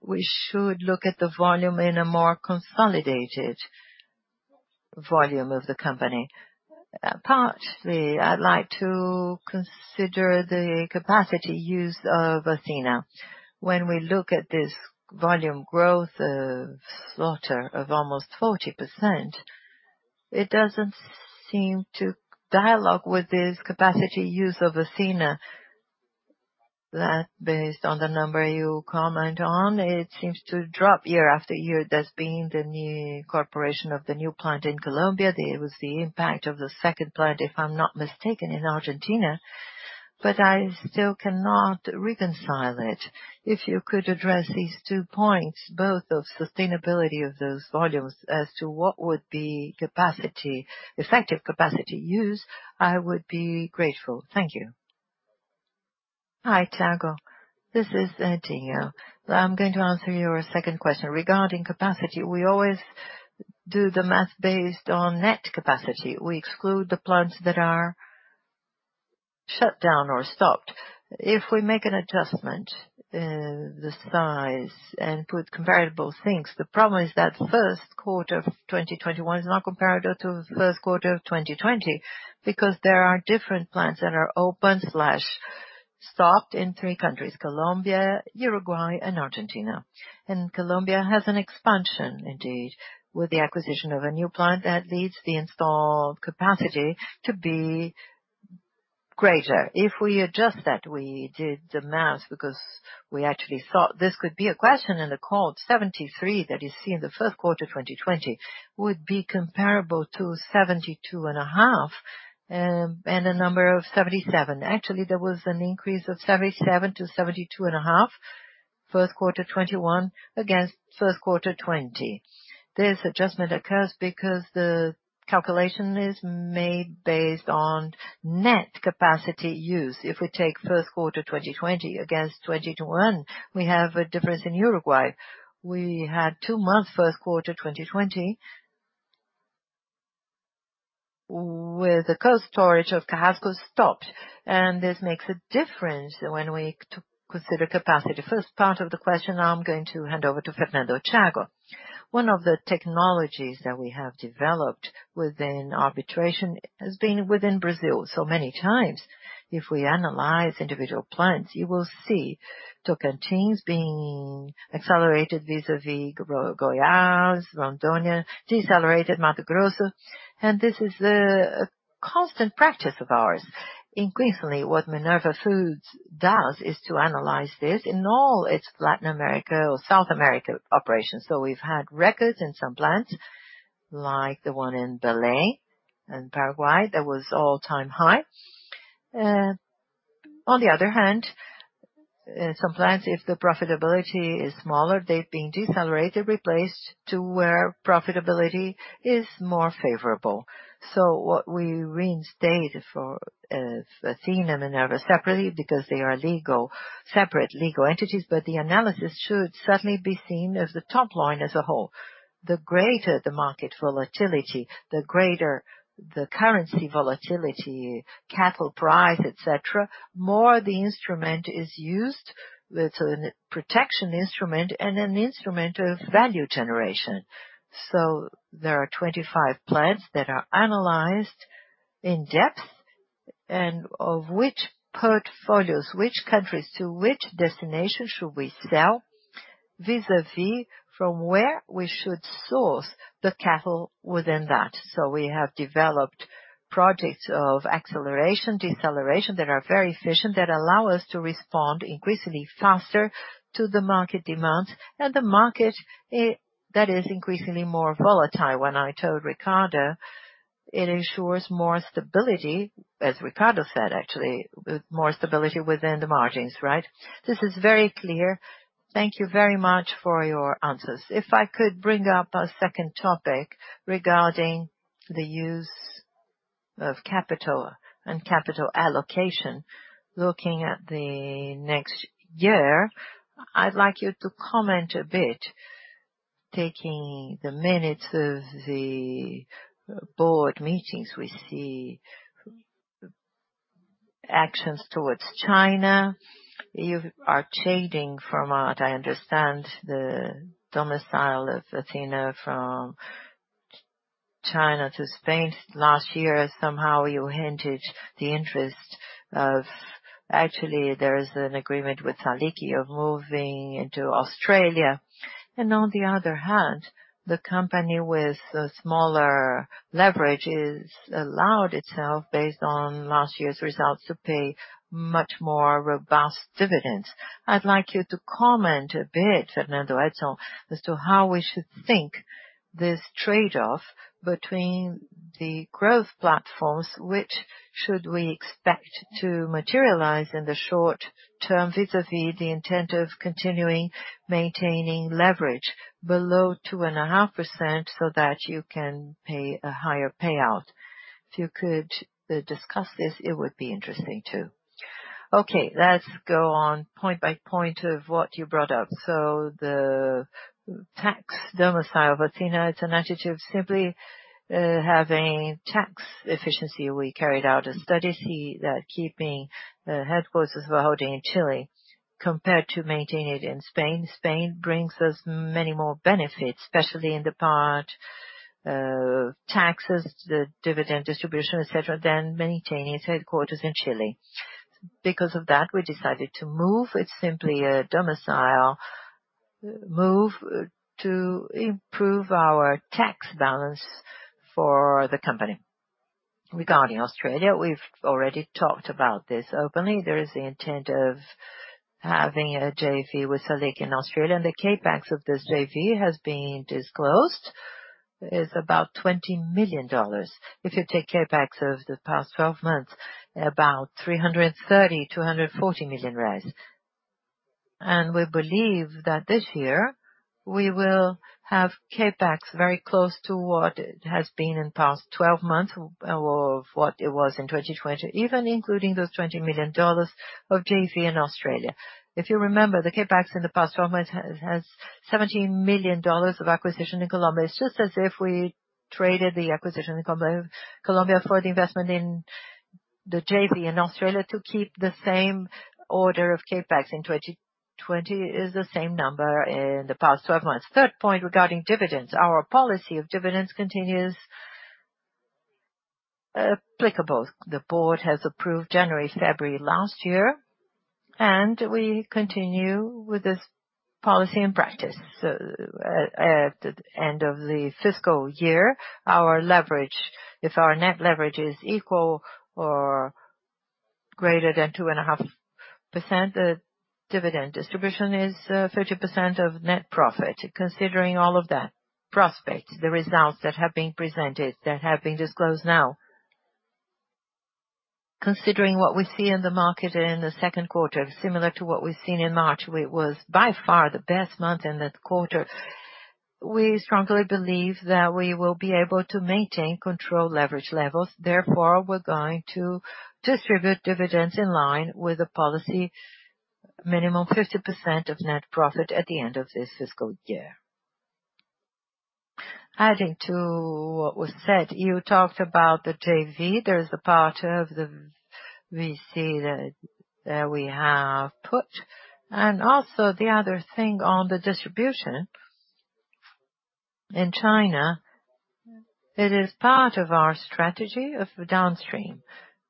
we should look at the volume in a more consolidated volume of the company. Partially, I'd like to consider the capacity use of Athena. When we look at this volume growth of slaughter of almost 40%, it doesn't seem to dialogue with this capacity use of Athena. That based on the number you comment on, it seems to drop year after year. That's been the new corporation of the new plant in Colombia. There was the impact of the second plant, if I'm not mistaken, in Argentina. I still cannot reconcile it. You could address these two points, both of sustainability of those volumes as to what would be effective capacity use, I would be grateful. Thank you. Hi, Thiago. This is Dina. I'm going to answer your second question regarding capacity. We always do the math based on net capacity. We exclude the plants that are shut down or stopped. We make an adjustment, the size and put comparable things, the problem is that first quarter of 2021 is not comparable to first quarter of 2020 because there are different plants that are open/stopped in three countries, Colombia, Uruguay, and Argentina. Colombia has an expansion indeed, with the acquisition of a new plant that leads the installed capacity to be greater. If we adjust that, we did the math because we actually thought this could be a question in the call, 73 that you see in the first quarter 2020 would be comparable to 72.5 and a number of 77. Actually, there was an increase of 77 to 72.5 first quarter 2021 against first quarter 2020. This adjustment occurs because the calculation is made based on net capacity use. If we take first quarter 2020 against 2021, we have a difference in Uruguay. We had two months first quarter 2020 with the cold storage of Carrasco stopped, and this makes a difference when we consider capacity. First part of the question, I'm going to hand over to Fernando Chago. One of the technologies that we have developed within arbitrage has been within Brazil. Many times, if we analyze individual plants, you will see Tocantins being accelerated vis-a-vis Goiás, Rondônia decelerated Mato Grosso, and this is a constant practice of ours. Increasingly, what Minerva Foods does is to analyze this in all its Latin America or South America operations. We've had records in some plants, like the one in Belém in Paraguay, that was all-time high. On the other hand, some plants, if the profitability is smaller, they've been decelerated, replaced to where profitability is more favorable. What we reinstate for Athena Minerva separately because they are separate legal entities, but the analysis should certainly be seen as the top line as a whole. The greater the market volatility, the greater the currency volatility, cattle price, et cetera, more the instrument is used. It's a protection instrument and an instrument of value generation. There are 25 plants that are analyzed in depth and of which portfolios, which countries to which destination should we sell vis-a-vis from where we should source the cattle within that. We have developed projects of acceleration, deceleration that are very efficient, that allow us to respond increasingly faster to the market demands and the market that is increasingly more volatile. When I told Ricardo, it ensures more stability, as Ricardo said, actually, more stability within the margins. Right? This is very clear. Thank you very much for your answers. If I could bring up a second topic regarding the use of capital and capital allocation looking at the next year, I'd like you to comment a bit. Taking the minutes of the board meetings, we see actions towards China. You are changing from what I understand, the domicile of Athena from China to Spain. Last year, somehow you hinted actually, there is an agreement with SALIC of moving into Australia. On the other hand, the company with smaller leverage has allowed itself, based on last year's results, to pay much more robust dividends. I'd like you to comment a bit, Fernando, that's all, as to how we should think this trade-off between the growth platforms, which should we expect to materialize in the short term vis-a-vis the intent of continuing maintaining leverage below 2.5% so that you can pay a higher payout. If you could discuss this, it would be interesting, too. Okay, let's go on point by point of what you brought up. The tax domicile of Athena, it's an attitude of simply having tax efficiency. We carried out a study, see that keeping the headquarters of our holding in Chile compared to maintaining it in Spain. Spain brings us many more benefits, especially in the part, taxes, the dividend distribution, et cetera, than maintaining its headquarters in Chile. Because of that, we decided to move. It's simply a domicile move to improve our tax balance for the company. Regarding Australia, we've already talked about this openly. There is the intent of having a JV with SALIC in Australia, and the CapEx of this JV has been disclosed is about BRL 220 million. If you take CapEx over the past 12 months, about 330 million-140 million. We believe that this year we will have CapEx very close to what it has been in the past 12 months or what it was in 2020, even including those BRL 20 million of JV in Australia. If you remember, the CapEx in the past 12 months has BRL 17 million of acquisition in Colombia. It's just as if we traded the acquisition in Colombia for the investment in the JV in Australia to keep the same order of CapEx in 2020 is the same number in the past 12 months. Third point regarding dividends. Our policy of dividends continues applicable. The board has approved January, February last year, we continue with this policy and practice. At the end of the fiscal year, if our net leverage is equal or greater than 2.5%, the dividend distribution is 30% of net profit. Considering all of that prospect, the results that have been presented, that have been disclosed now. Considering what we see in the market in the second quarter, similar to what we've seen in March, it was by far the best month in that quarter. We strongly believe that we will be able to maintain control leverage levels. Therefore, we're going to distribute dividends in line with the policy minimum 30% of net profit at the end of this fiscal year. Adding to what was said, you talked about the JV. There is a part of the VC that we have put. Also the other thing on the distribution in China, it is part of our strategy of downstream,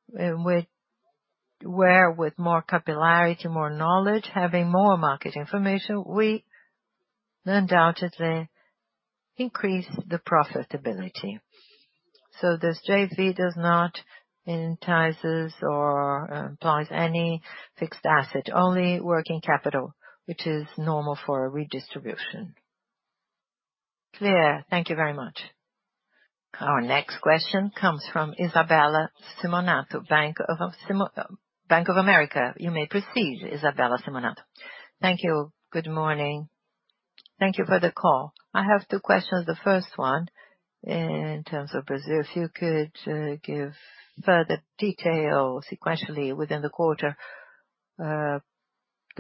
where with more capillarity, more knowledge, having more market information, we undoubtedly increase the profitability. This JV does not entice or employs any fixed asset, only working capital, which is normal for a redistribution. Clear. Thank you very much. Our next question comes from Isabella Simonato, Bank of America. You may proceed, Isabella Simonato. Thank you. Good morning. Thank you for the call. I have two questions. The first one, in terms of Brazil, if you could give further detail sequentially within the quarter, the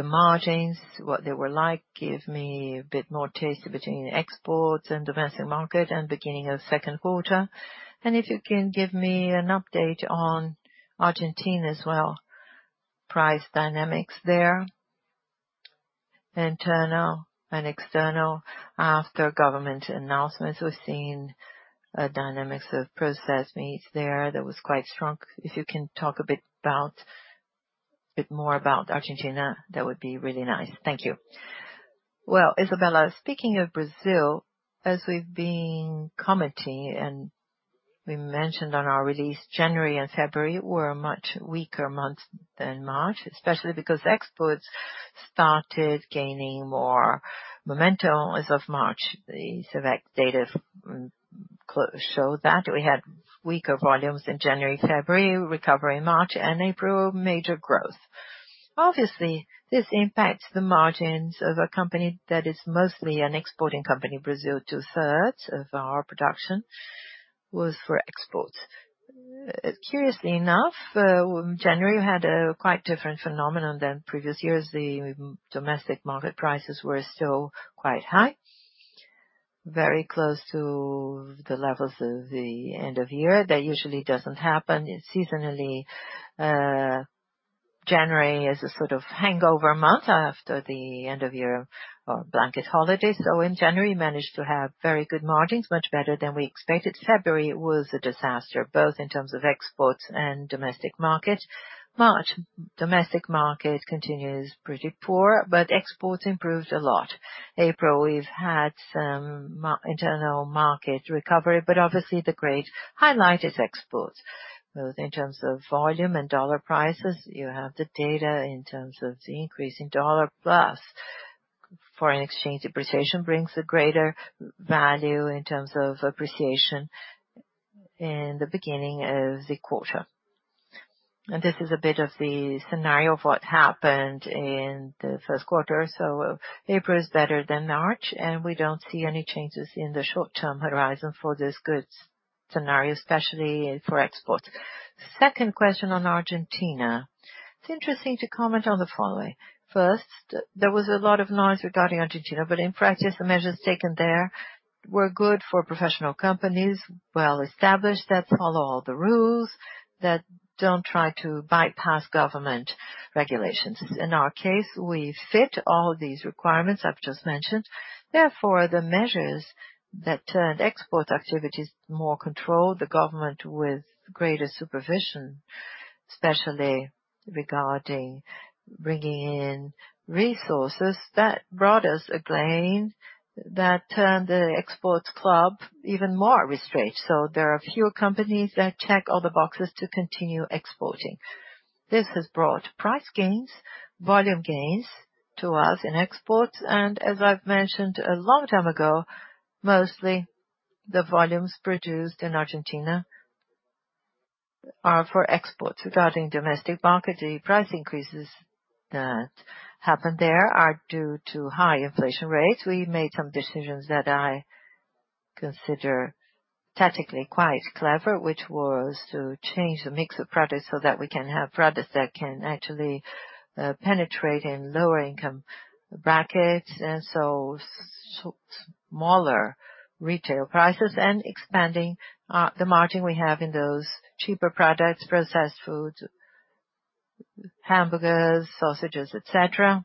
margins, what they were like, give me a bit more taste between exports and domestic market and beginning of the second quarter. If you can give me an update on Argentina as well. Price dynamics there, internal and external after government announcements. We've seen a dynamics of processed meats there that was quite strong. If you can talk a bit more about Argentina, that would be really nice. Thank you. Well, Isabella, speaking of Brazil, as we've been commenting and we mentioned on our release, January and February were much weaker months than March, especially because exports started gaining more momentum as of March. The Secex data showed that we had weaker volumes in January, February, recovery March, and April, major growth. Obviously, this impacts the margins of a company that is mostly an exporting company. Brazil, two-thirds of our production was for exports. Curiously enough, January had a quite different phenomenon than previous years. The domestic market prices were still quite high, very close to the levels of the end of year. That usually doesn't happen seasonally. January is a sort of hangover month after the end of year blanket holiday. In January, managed to have very good margins, much better than we expected. February was a disaster, both in terms of exports and domestic market. March, domestic market continues pretty poor, but exports improved a lot. April, we've had some internal market recovery, but obviously the great highlight is exports, both in terms of volume and dollar prices. You have the data in terms of the increase in dollar prices. Foreign exchange depreciation brings a greater value in terms of appreciation in the beginning of the quarter. This is a bit of the scenario of what happened in the first quarter. April is better than March. We don't see any changes in the short-term horizon for this goods scenario, especially for exports. Second question on Argentina. It's interesting to comment on the following. First, there was a lot of noise regarding Argentina, but in practice, the measures taken there were good for professional companies, well established that follow all the rules, that don't try to bypass government regulations. In our case, we fit all these requirements I've just mentioned. Therefore, the measures that turned export activities more controlled, the government with greater supervision, especially regarding bringing in resources that brought us a gain that turned the exports club even more restrained. There are fewer companies that check all the boxes to continue exporting. This has brought price gains, volume gains to us in exports. As I've mentioned a long time ago, mostly the volumes produced in Argentina are for export. Regarding domestic market, the price increases that happened there are due to high inflation rates. We made some decisions that I consider tactically quite clever, which was to change the mix of products so that we can have products that can actually penetrate in lower income brackets, and so smaller retail prices and expanding the margin we have in those cheaper products, processed foods, hamburgers, sausages, et cetera,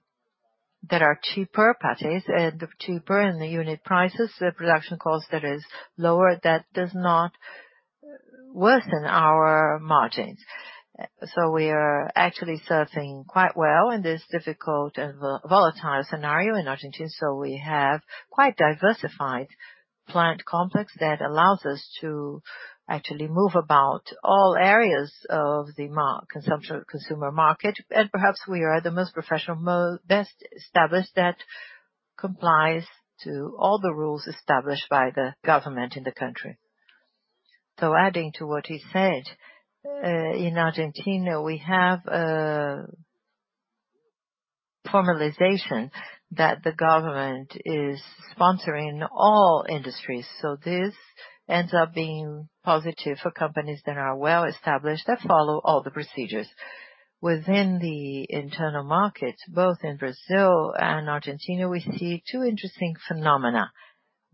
that are cheaper, patties, and cheaper in the unit prices. The production cost that is lower, that does not worsen our margins. We are actually surfing quite well in this difficult and volatile scenario in Argentina. We have quite diversified plant complex that allows us to actually move about all areas of the consumer market. Perhaps we are the most professional, best established that complies to all the rules established by the government in the country. Adding to what he said, in Argentina, we have a formalization that the government is sponsoring all industries. This ends up being positive for companies that are well established, that follow all the procedures. Within the internal markets, both in Brazil and Argentina, we see two interesting phenomena.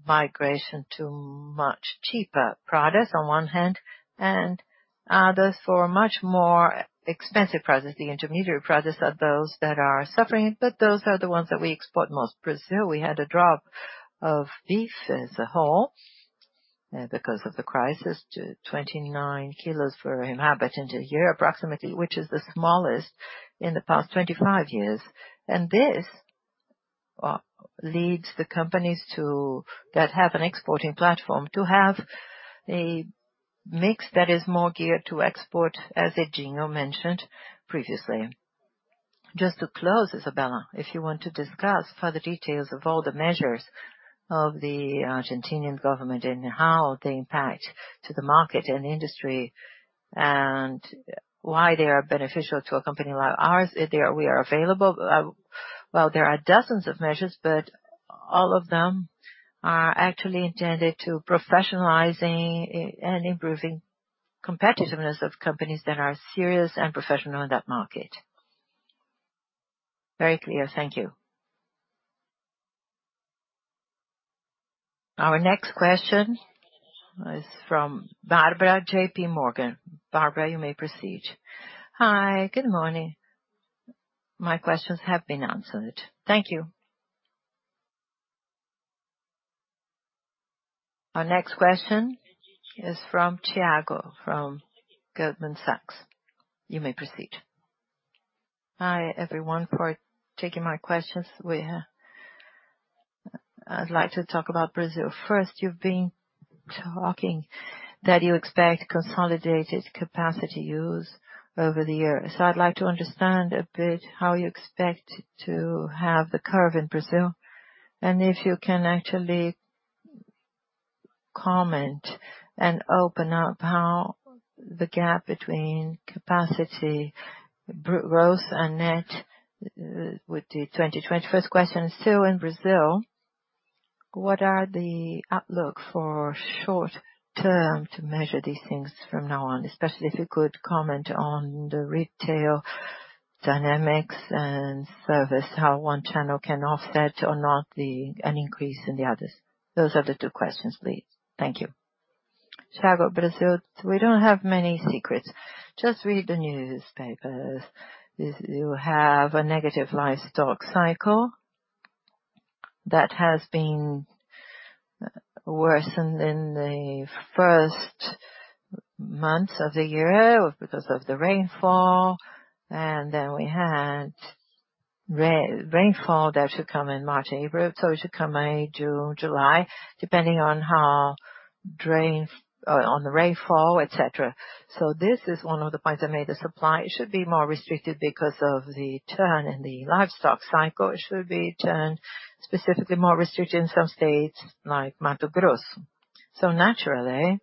Migration to much cheaper products on one hand, and others for much more expensive products. The intermediary products are those that are suffering, but those are the ones that we export most. Brazil, we had a drop of beef as a whole because of the crisis to 29 kilos per inhabitant a year approximately, which is the smallest in the past 25 years. This leads the companies that have an exporting platform to have a mix that is more geared to export, as Edison Ticle mentioned previously. Just to close, Isabella, if you want to discuss further details of all the measures of the Argentinian government and how they impact to the market and the industry, and why they are beneficial to a company like ours, we are available. Well, there are dozens of measures, but all of them are actually intended to professionalizing and improving competitiveness of companies that are serious and professional in that market. Very clear. Thank you. Our next question is from Barbara, J.P. Morgan. Barbara, you may proceed. Hi. Good morning. My questions have been answered. Thank you. Our next question is from Thiago from Goldman Sachs. You may proceed. Hi, everyone, for taking my questions. I'd like to talk about Brazil. First, you've been talking that you expect consolidated capacity use over the years. I'd like to understand a bit how you expect to have the curve in Brazil, and if you can actually comment and open up how the gap between capacity growth and net with the 2021st question. In Brazil, what are the outlook for short term to measure these things from now on? Especially if you could comment on the retail dynamics and service, how one channel can offset or not an increase in the others. Those are the two questions, please. Thank you. Thiago, Brazil, we don't have many secrets. Just read the newspapers. You have a negative livestock cycle that has been worsened in the first months of the year because of the rainfall. We had rainfall that should come in March, April. It should come May, June, July, depending on the rainfall, et cetera. This is one of the points I made. The supply should be more restricted because of the turn in the livestock cycle. It should be turned specifically more restricted in some states like Mato Grosso. Naturally,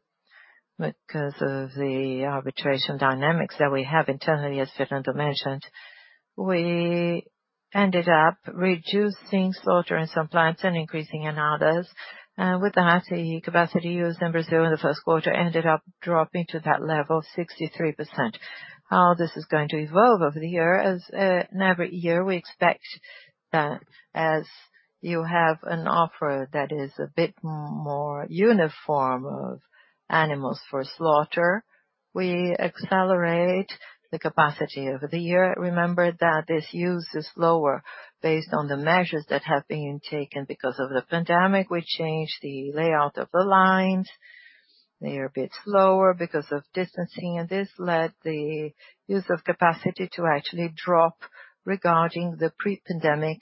because of the arbitration dynamics that we have internally, as Fernando mentioned, we ended up reducing slaughter in some plants and increasing in others. With that, the capacity used in Brazil in the first quarter ended up dropping to that level, 63%. How this is going to evolve over the year is, in every year, we expect that as you have an offer that is a bit more uniform of animals for slaughter, we accelerate the capacity over the year. Remember that this use is lower based on the measures that have been taken because of the pandemic. We changed the layout of the lines. They are a bit slower because of distancing, this led the use of capacity to actually drop regarding the pre-pandemic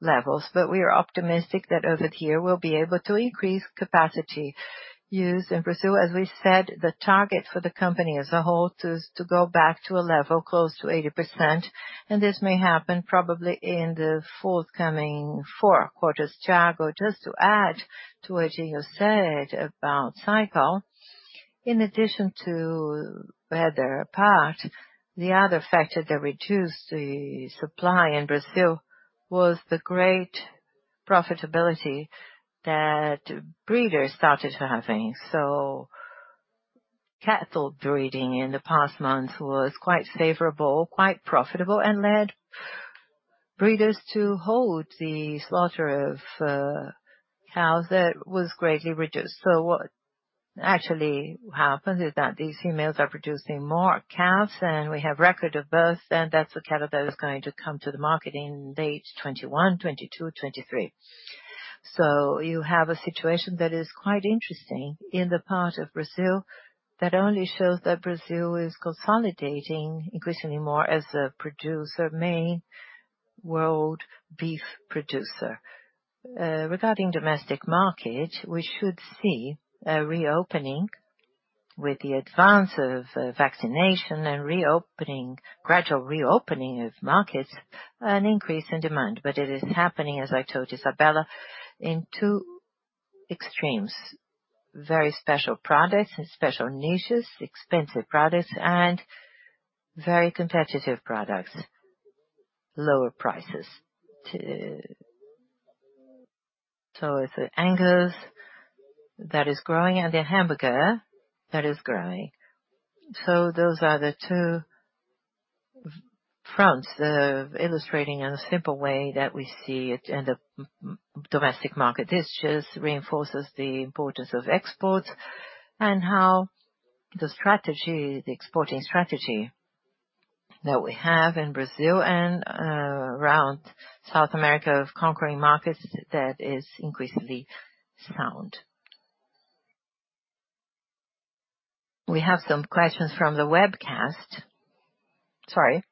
levels. We are optimistic that over here we'll be able to increase capacity use and pursue, as we said, the target for the company as a whole is to go back to a level close to 80%, this may happen probably in the forthcoming four quarters. Thiago, just to add to what you said about cycle. In addition to weather apart, the other factor that reduced the supply in Brazil was the great profitability that breeders started having. Cattle breeding in the past months was quite favorable, quite profitable, and led breeders to hold the slaughter of cows that was greatly reduced. What actually happened is that these females are producing more calves, and we have record of births, and that's the cattle that is going to come to the market in age 21, 22, 23. You have a situation that is quite interesting in the part of Brazil that only shows that Brazil is consolidating increasingly more as a main world beef producer. Regarding domestic market, we should see a reopening with the advance of vaccination and gradual reopening of markets, an increase in demand. It is happening, as I told Isabella, in two extremes: very special products and special niches, expensive products, and very competitive products, lower prices. It's the Angus that is growing and the hamburger that is growing. Those are the two fronts of illustrating in a simple way that we see it in the domestic market. This just reinforces the importance of exports and how the exporting strategy that we have in Brazil and around South America of conquering markets that is increasingly sound. We have some questions from the webcast. Sorry.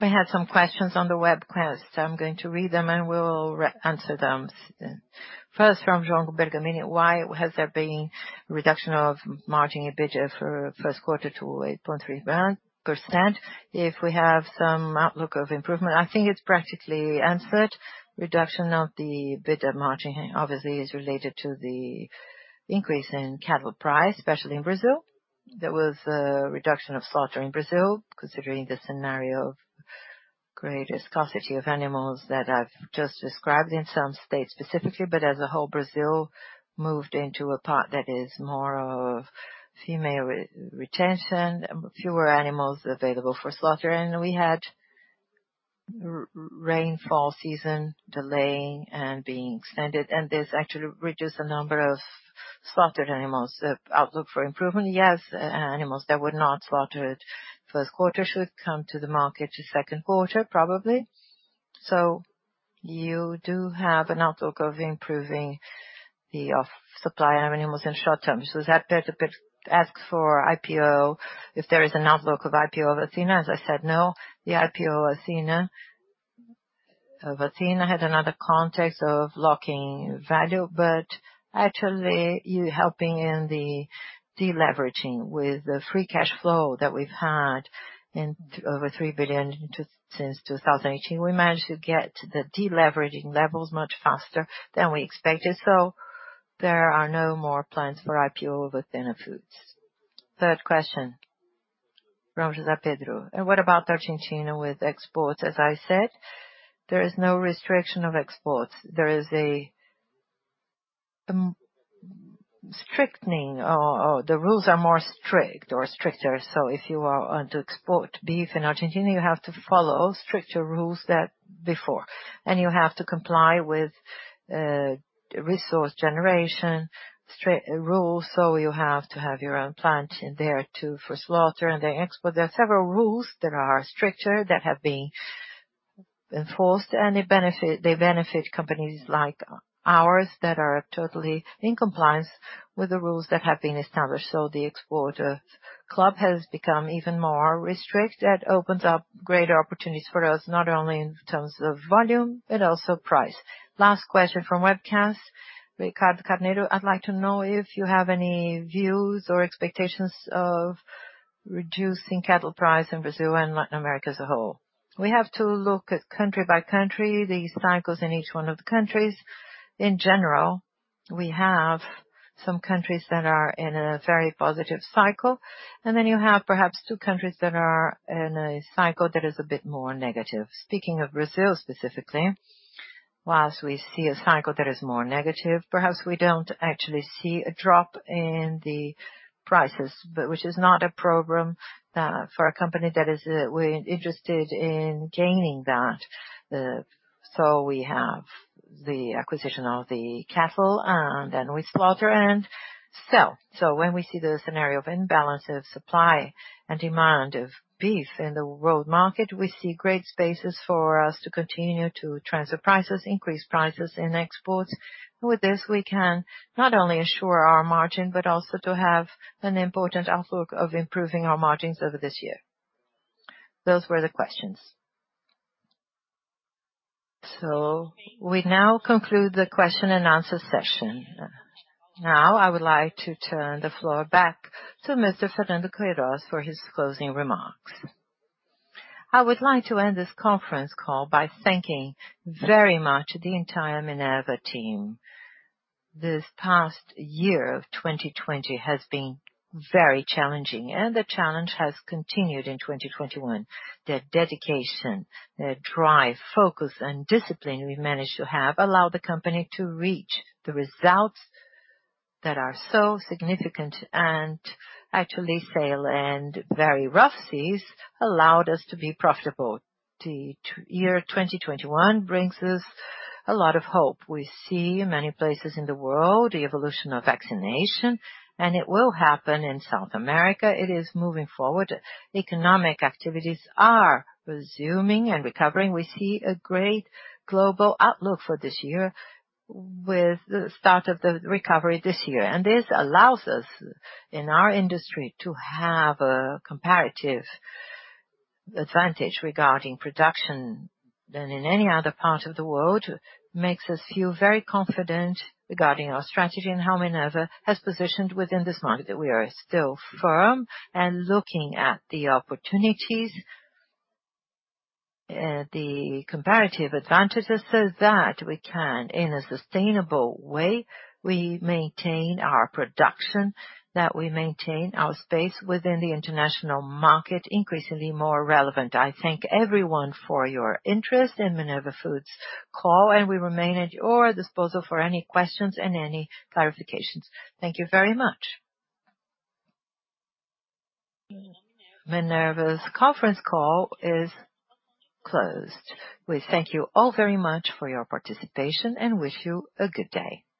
We have some questions on the webcast. I'm going to read them, and we'll answer them soon. First, from Jean Bergamini: Why has there been a reduction of margin EBITDA for first quarter to 8.3% if we have some outlook of improvement? I think it's practically answered. Reduction of the EBITDA margin obviously is related to the increase in cattle price, especially in Brazil. There was a reduction of slaughter in Brazil considering the scenario of greater scarcity of animals that I've just described in some states specifically. As a whole, Brazil moved into a part that is more of female retention, fewer animals available for slaughter. We had rainfall season delaying and being extended, and this actually reduced the number of slaughtered animals. The outlook for improvement? Yes. Animals that were not slaughtered first quarter should come to the market to second quarter, probably. Zape asks for IPO, if there is an outlook of IPO of Athena. As I said, no. The IPO Athena had another context of locking value, but actually helping in the deleveraging with the free cash flow that we've had in over 3 billion since 2018. We managed to get the deleveraging levels much faster than we expected. There are no more plans for IPO of Athena Foods. Third question. Rosa Pedro: What about Argentina with exports? As I said, there is no restriction of exports. There is a strictening, or the rules are more strict or stricter. If you want to export beef in Argentina, you have to follow stricter rules than before. You have to comply with resource generation rules, so you have to have your own plant in there too for slaughter and the export. There are several rules that are stricter that have been enforced, and they benefit companies like ours that are totally in compliance with the rules that have been established. The exporter club has become even more strict. That opens up greater opportunities for us, not only in terms of volume but also price. Last question from webcast. Ricardo Carneiro: I'd like to know if you have any views or expectations of reducing cattle price in Brazil and Latin America as a whole. We have to look at country by country, the cycles in each one of the countries. In general, we have some countries that are in a very positive cycle. You have perhaps two countries that are in a cycle that is a bit more negative. Speaking of Brazil specifically, whilst we see a cycle that is more negative, perhaps we don't actually see a drop in the prices, but which is not a problem for a company that is interested in gaining that. We have the acquisition of the cattle, and then we slaughter and sell. When we see the scenario of imbalance of supply and demand of beef in the world market, we see great spaces for us to continue to transfer prices, increase prices in exports. With this, we can not only assure our margin, but also to have an important outlook of improving our margins over this year. Those were the questions. We now conclude the question and answer session. Now I would like to turn the floor back to Mr. Fernando Queiroz for his closing remarks. I would like to end this conference call by thanking very much the entire Minerva team. This past year of 2020 has been very challenging, the challenge has continued in 2021. Their dedication, their drive, focus, and discipline we've managed to have allowed the company to reach the results that are so significant and actually sail in very rough seas allowed us to be profitable. The year 2021 brings us a lot of hope. We see many places in the world, the evolution of vaccination, it will happen in South America. It is moving forward. Economic activities are resuming and recovering. We see a great global outlook for this year with the start of the recovery this year. This allows us, in our industry, to have a comparative advantage regarding production than in any other part of the world. Makes us feel very confident regarding our strategy and how Minerva has positioned within this market, that we are still firm and looking at the opportunities, the comparative advantages, so that we can, in a sustainable way, we maintain our production, that we maintain our space within the international market increasingly more relevant. I thank everyone for your interest in Minerva Foods call, and we remain at your disposal for any questions and any clarifications. Thank you very much. Minerva's conference call is closed. We thank you all very much for your participation and wish you a good day.